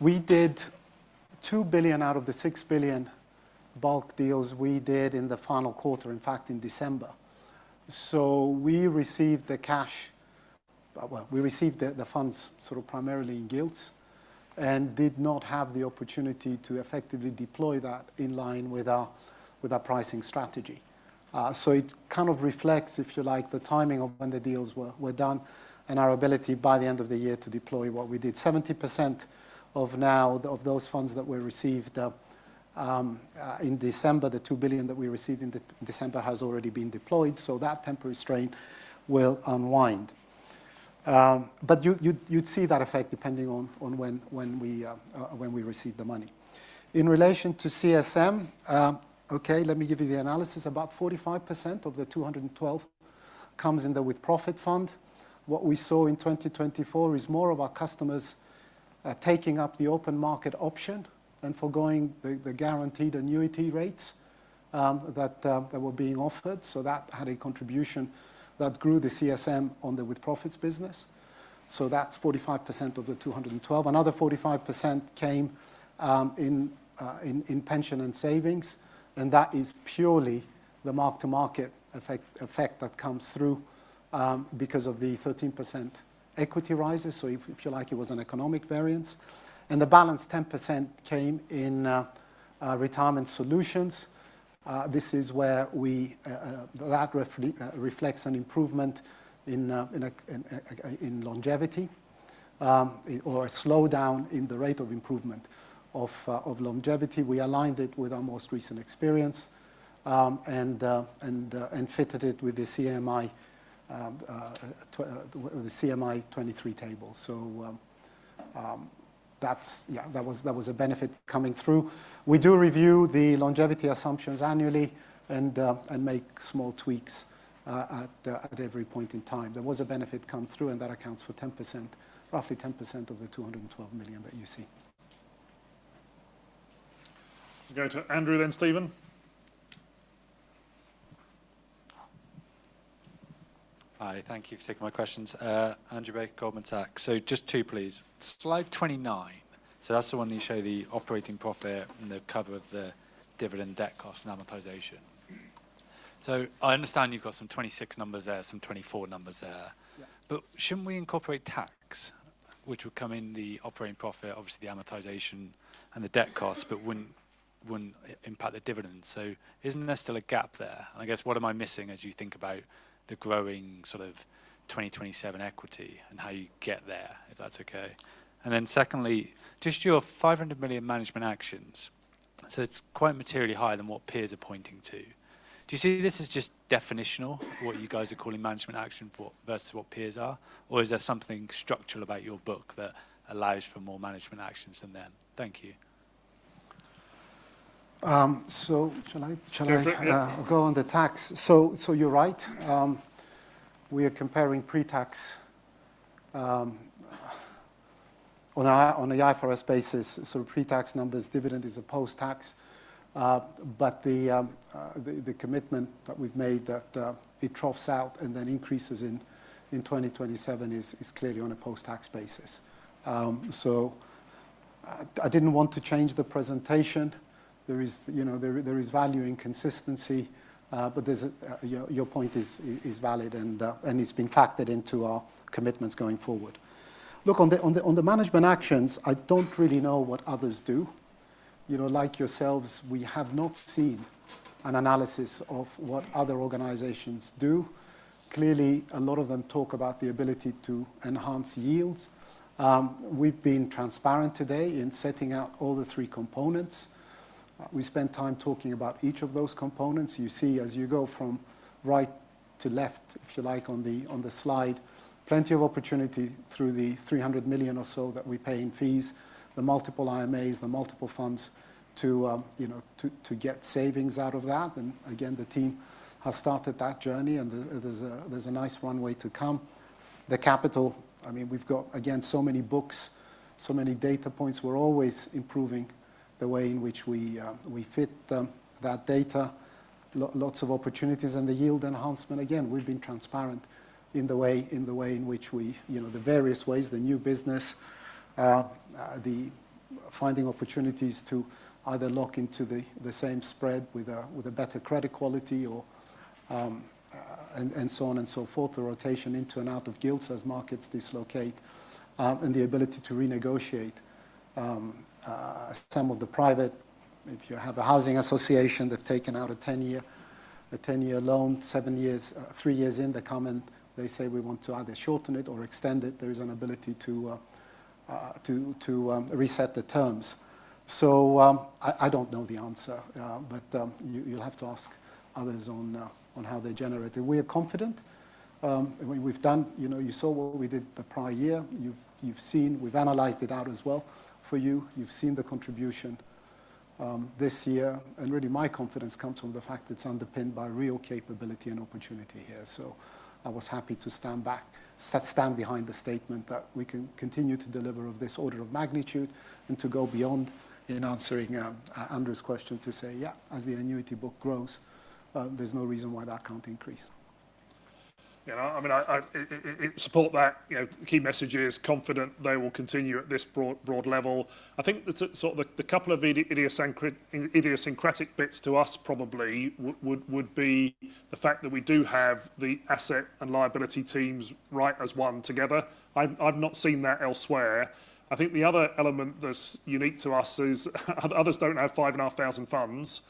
we did 2 billion out of the 6 billion bulk deals we did in the final quarter, in fact, in December. We received the cash, we received the funds sort of primarily in gilts and did not have the opportunity to effectively deploy that in line with our pricing strategy. It kind of reflects, if you like, the timing of when the deals were done and our ability by the end of the year to deploy what we did. 70% now of those funds that were received in December, the 2 billion that we received in December, has already been deployed. That temporary strain will unwind. You would see that effect depending on when we received the money. In relation to CSM, let me give you the analysis. About 45% of the 212 comes in the with profit fund. What we saw in 2024 is more of our customers taking up the open market option and forgoing the guaranteed annuity rates that were being offered. That had a contribution that grew the CSM on the with profits business. That is 45% of the 212. Another 45% came in pension and savings, and that is purely the mark-to-market effect that comes through because of the 13% equity rises. If you like, it was an economic variance. The balance 10% came in retirement solutions. This is where that reflects an improvement in longevity or a slowdown in the rate of improvement of longevity. We aligned it with our most recent experience and fitted it with the CMI 23 table. That was a benefit coming through. We do review the longevity assumptions annually and make small tweaks at every point in time. There was a benefit come through, and that accounts for roughly 10% of the 212 million that you see. Okay, to Andrew then, Stephen. Hi, thank you for taking my questions. Just two, please. Slide 29. That is the one that you show the operating profit and the cover of the dividend, debt cost, and amortization. I understand you have some 2026 numbers there, some 2024 numbers there. Should we not incorporate tax, which would come in the operating profit, obviously the amortization and the debt costs, but would not impact the dividends? Is there still a gap there? I guess what am I missing as you think about the growing sort of 2027 equity and how you get there, if that is okay? Secondly, just your 500 million management actions. It is quite materially higher than what peers are pointing to. Do you see this as just definitional, what you are calling management action versus what peers are? Is there something structural about your book that allows for more management actions than them? Thank you. Shall I go on the tax? You are right. We are comparing pre-tax on an IFRS basis. Pre-tax numbers, dividend is post-tax. The commitment that we have made that it troughs out and then increases in 2027 is clearly on a post-tax basis. I did not want to change the presentation. There is value inconsistency, but your point is valid, and it has been factored into our commitments going forward. Look, on the management actions, I do not really know what others do. Like yourselves, we have not seen an analysis of what other organizations do. Clearly, a lot of them talk about the ability to enhance yields. We have been transparent today in setting out all the three components. We spent time talking about each of those components. You see, as you go from right to left, if you like, on the slide, plenty of opportunity through the 300 million or so that we pay in fees, the multiple IMAs, the multiple funds to get savings out of that. Again, the team has started that journey, and there's a nice runway to come. The capital, I mean, we've got, again, so many books, so many data points. We're always improving the way in which we fit that data, lots of opportunities and the yield enhancement. Again, we've been transparent in the way in which the various ways, the new business, the finding opportunities to either lock into the same spread with a better credit quality and so on and so forth, the rotation into and out of gilts as markets dislocate, and the ability to renegotiate. Some of the private, if you have a housing association, they've taken out a 10-year loan, three years in, they come and they say, "We want to either shorten it or extend it." There is an ability to reset the terms. I don't know the answer, but you'll have to ask others on how they generate it. We are confident. You saw what we did the prior year. We've analyzed it out as well for you. You've seen the contribution this year. Really, my confidence comes from the fact it's underpinned by real capability and opportunity here. I was happy to stand behind the statement that we can continue to deliver of this order of magnitude and to go beyond. In answering Andrew's question to say, "Yeah, as the annuity book grows, there's no reason why that can't increase." Yeah, I mean, I support that. Key message is confident they will continue at this broad level. I think the couple of idiosyncratic bits to us probably would be the fact that we do have the asset and liability teams right as one together. I have not seen that elsewhere. I think the other element that is unique to us is others do not have five and a half thousand funds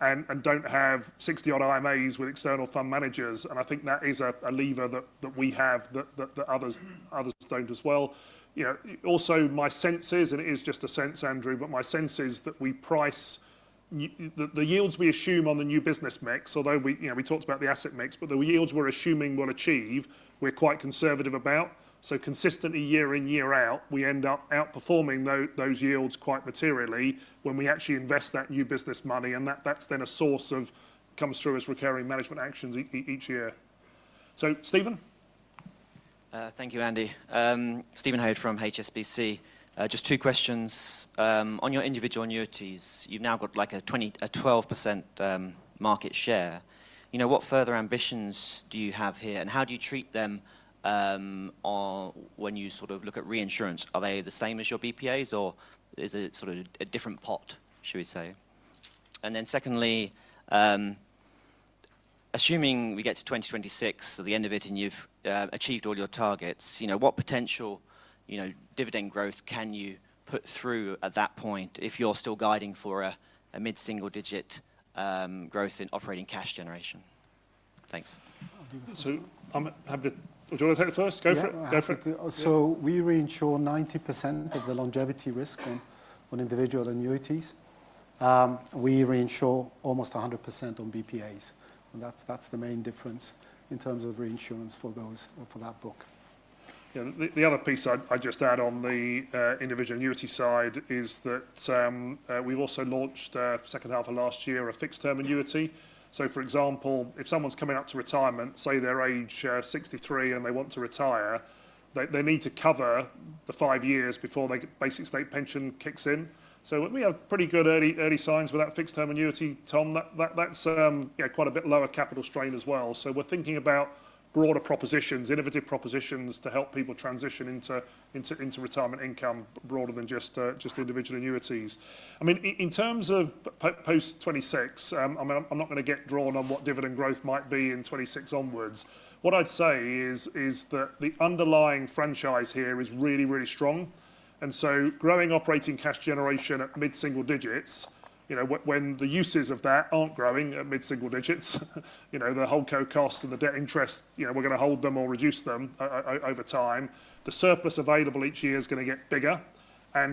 and do not have 60-odd IMAs with external fund managers. I think that is a lever that we have that others do not as well. Also, my sense is, and it is just a sense, Andrew, but my sense is that the yields we assume on the new business mix, although we talked about the asset mix, but the yields we are assuming we will achieve, we are quite conservative about. Consistently year in, year out, we end up outperforming those yields quite materially when we actually invest that new business money. That is then a source that comes through as recurring management actions each year. Stephen. Thank you, Andy. Stephen Green from HSBC. Just two questions. On your individual annuities, you have now got like a 12% market share. What further ambitions do you have here? How do you treat them when you sort of look at reinsurance? Are they the same as your BPAs, or is it sort of a different pot, shall we say? Secondly, assuming we get to 2026, so the end of it, and you have achieved all your targets, what potential dividend growth can you put through at that point if you are still guiding for a mid-single digit growth in operating cash generation? Thanks. Would you want to take it first? Go for it. Go for it. We reinsure 90% of the longevity risk on individual annuities. We reinsure almost 100% on BPAs. That is the main difference in terms of reinsurance for that book. The other piece I would just add on the individual annuity side is that we also launched second half of last year a fixed-term annuity. For example, if someone is coming up to retirement, say they are age 63 and they want to retire, they need to cover the five years before the basic state pension kicks in. We have pretty good early signs with that fixed-term annuity, Tom. That is quite a bit lower capital strain as well. We are thinking about broader propositions, innovative propositions to help people transition into retirement income broader than just individual annuities. I mean, in terms of post 2026, I'm not going to get drawn on what dividend growth might be in 2026 onwards. What I'd say is that the underlying franchise here is really, really strong. Growing operating cash generation at mid-single digits, when the uses of that are not growing at mid-single digits, the whole co-cost and the debt interest, we are going to hold them or reduce them over time. The surplus available each year is going to get bigger.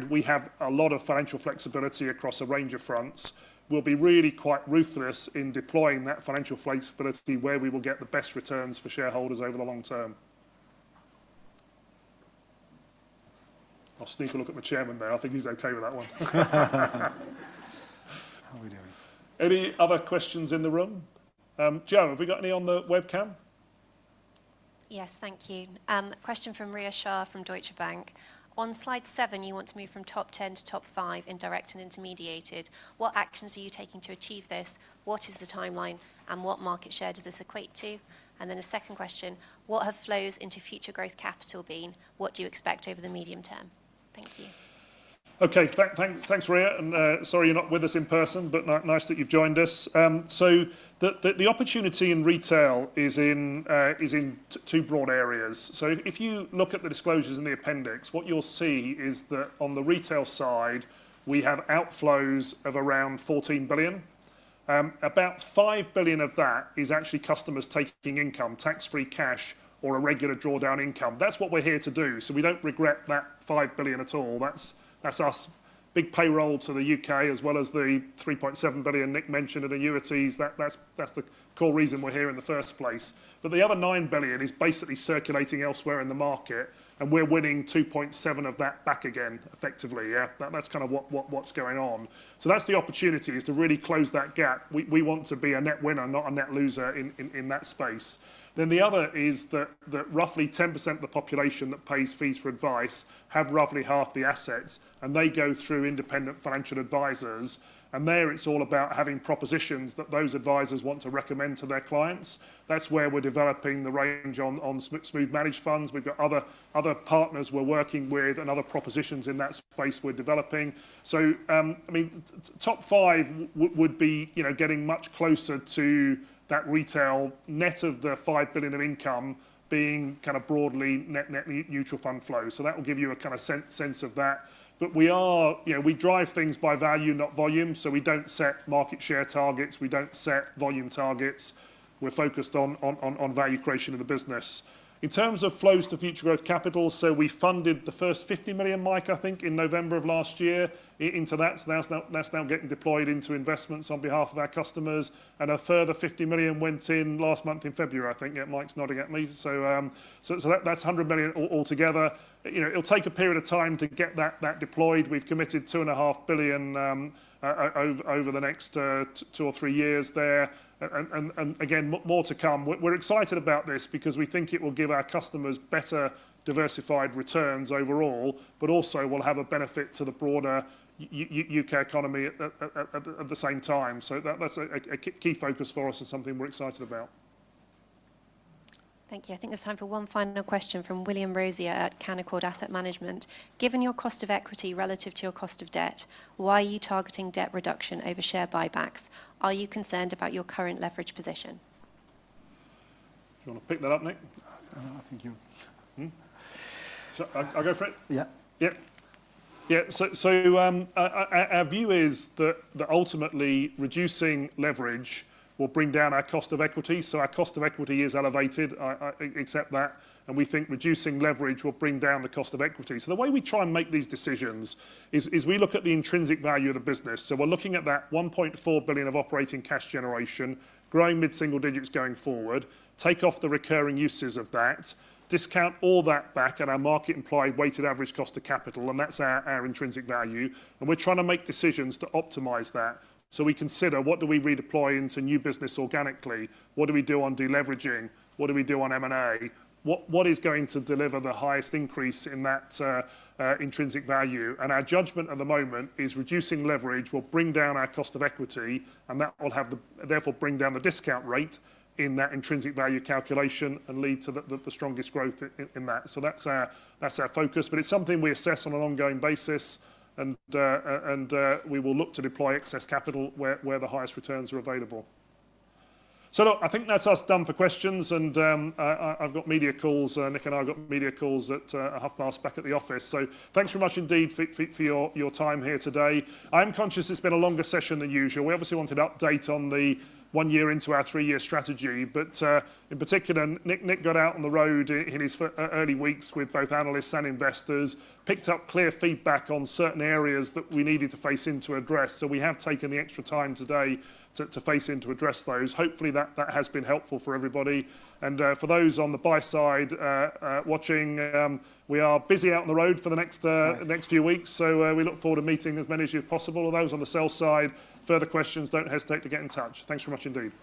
We have a lot of financial flexibility across a range of fronts. We will be really quite ruthless in deploying that financial flexibility where we will get the best returns for shareholders over the long term. I'll sneak a look at the chairman there. I think he's okay with that one. How are we doing? Any other questions in the room? Joan, have we got any on the webcam? Yes, thank you. Question from Rhea Shah from Deutsche Bank. On slide seven, you want to move from top 10 to top five indirect and intermediated. What actions are you taking to achieve this? What is the timeline? What market share does this equate to? A second question, what have flows into Future Growth Capital been? What do you expect over the medium term? Thank you. Okay, thanks, Rhea. Sorry you're not with us in person, but nice that you've joined us. The opportunity in retail is in two broad areas. If you look at the disclosures in the appendix, what you'll see is that on the retail side, we have outflows of around 14 billion. About 5 billion of that is actually customers taking income, tax-free cash or a regular drawdown income. That's what we're here to do. We do not regret that 5 billion at all. That is us, big payroll to the U.K., as well as the 3.7 billion Nic mentioned in annuities. That is the core reason we are here in the first place. The other 9 billion is basically circulating elsewhere in the market, and we are winning 2.7 billion of that back again, effectively. Yes, that is kind of what is going on. The opportunity is to really close that gap. We want to be a net winner, not a net loser in that space. The other is that roughly 10% of the population that pays fees for advice have roughly half the assets, and they go through independent financial advisors. There it is all about having propositions that those advisors want to recommend to their clients. That is where we are developing the range on smooth managed funds. We've got other partners we're working with and other propositions in that space we're developing. I mean, top five would be getting much closer to that retail net of the 5 billion of income being kind of broadly net neutral fund flow. That will give you a kind of sense of that. We drive things by value, not volume. We don't set market share targets. We don't set volume targets. We're focused on value creation of the business. In terms of flows to Future Growth Capital, we funded the first 50 million, Mike, I think, in November of last year into that. That's now getting deployed into investments on behalf of our customers. A further 50 million went in last month in February, I think. Yeah, Mike's nodding at me. That's 100 million altogether. It'll take a period of time to get that deployed. We've committed 2.5 billion over the next two or three years there. More to come. We're excited about this because we think it will give our customers better diversified returns overall, but also will have a benefit to the broader U.K. economy at the same time. That's a key focus for us and something we're excited about. Thank you. I think there's time for one final question from William Rosier at Canaccord Asset Management. Given your cost of equity relative to your cost of debt, why are you targeting debt reduction over share buybacks? Are you concerned about your current leverage position? Do you want to pick that up, Nic? I think you're. I'll go for it. Yeah. Yeah. Our view is that ultimately reducing leverage will bring down our cost of equity. Our cost of equity is elevated, except that. We think reducing leverage will bring down the cost of equity. The way we try and make these decisions is we look at the intrinsic value of the business. We are looking at that 1.4 billion of operating cash generation, growing mid-single digits going forward, take off the recurring uses of that, discount all that back at our market implied weighted average cost of capital, and that is our intrinsic value. We are trying to make decisions to optimize that. We consider, what do we redeploy into new business organically? What do we do on deleveraging? What do we do on M&A? What is going to deliver the highest increase in that intrinsic value? Our judgment at the moment is reducing leverage will bring down our cost of equity, and that will therefore bring down the discount rate in that intrinsic value calculation and lead to the strongest growth in that. That is our focus. It is something we assess on an ongoing basis, and we will look to deploy excess capital where the highest returns are available. I think that is us done for questions. I have got media calls. Nic and I have got media calls at half past back at the office. Thank you very much indeed for your time here today. I am conscious it has been a longer session than usual. We obviously wanted to update on the one year into our three-year strategy, but in particular, Nic got out on the road in his early weeks with both analysts and investors, picked up clear feedback on certain areas that we needed to face into address. We have taken the extra time today to face into address those. Hopefully, that has been helpful for everybody. For those on the buy side watching, we are busy out on the road for the next few weeks. We look forward to meeting as many as you possible. For those on the sell side, further questions, do not hesitate to get in touch. Thanks very much indeed.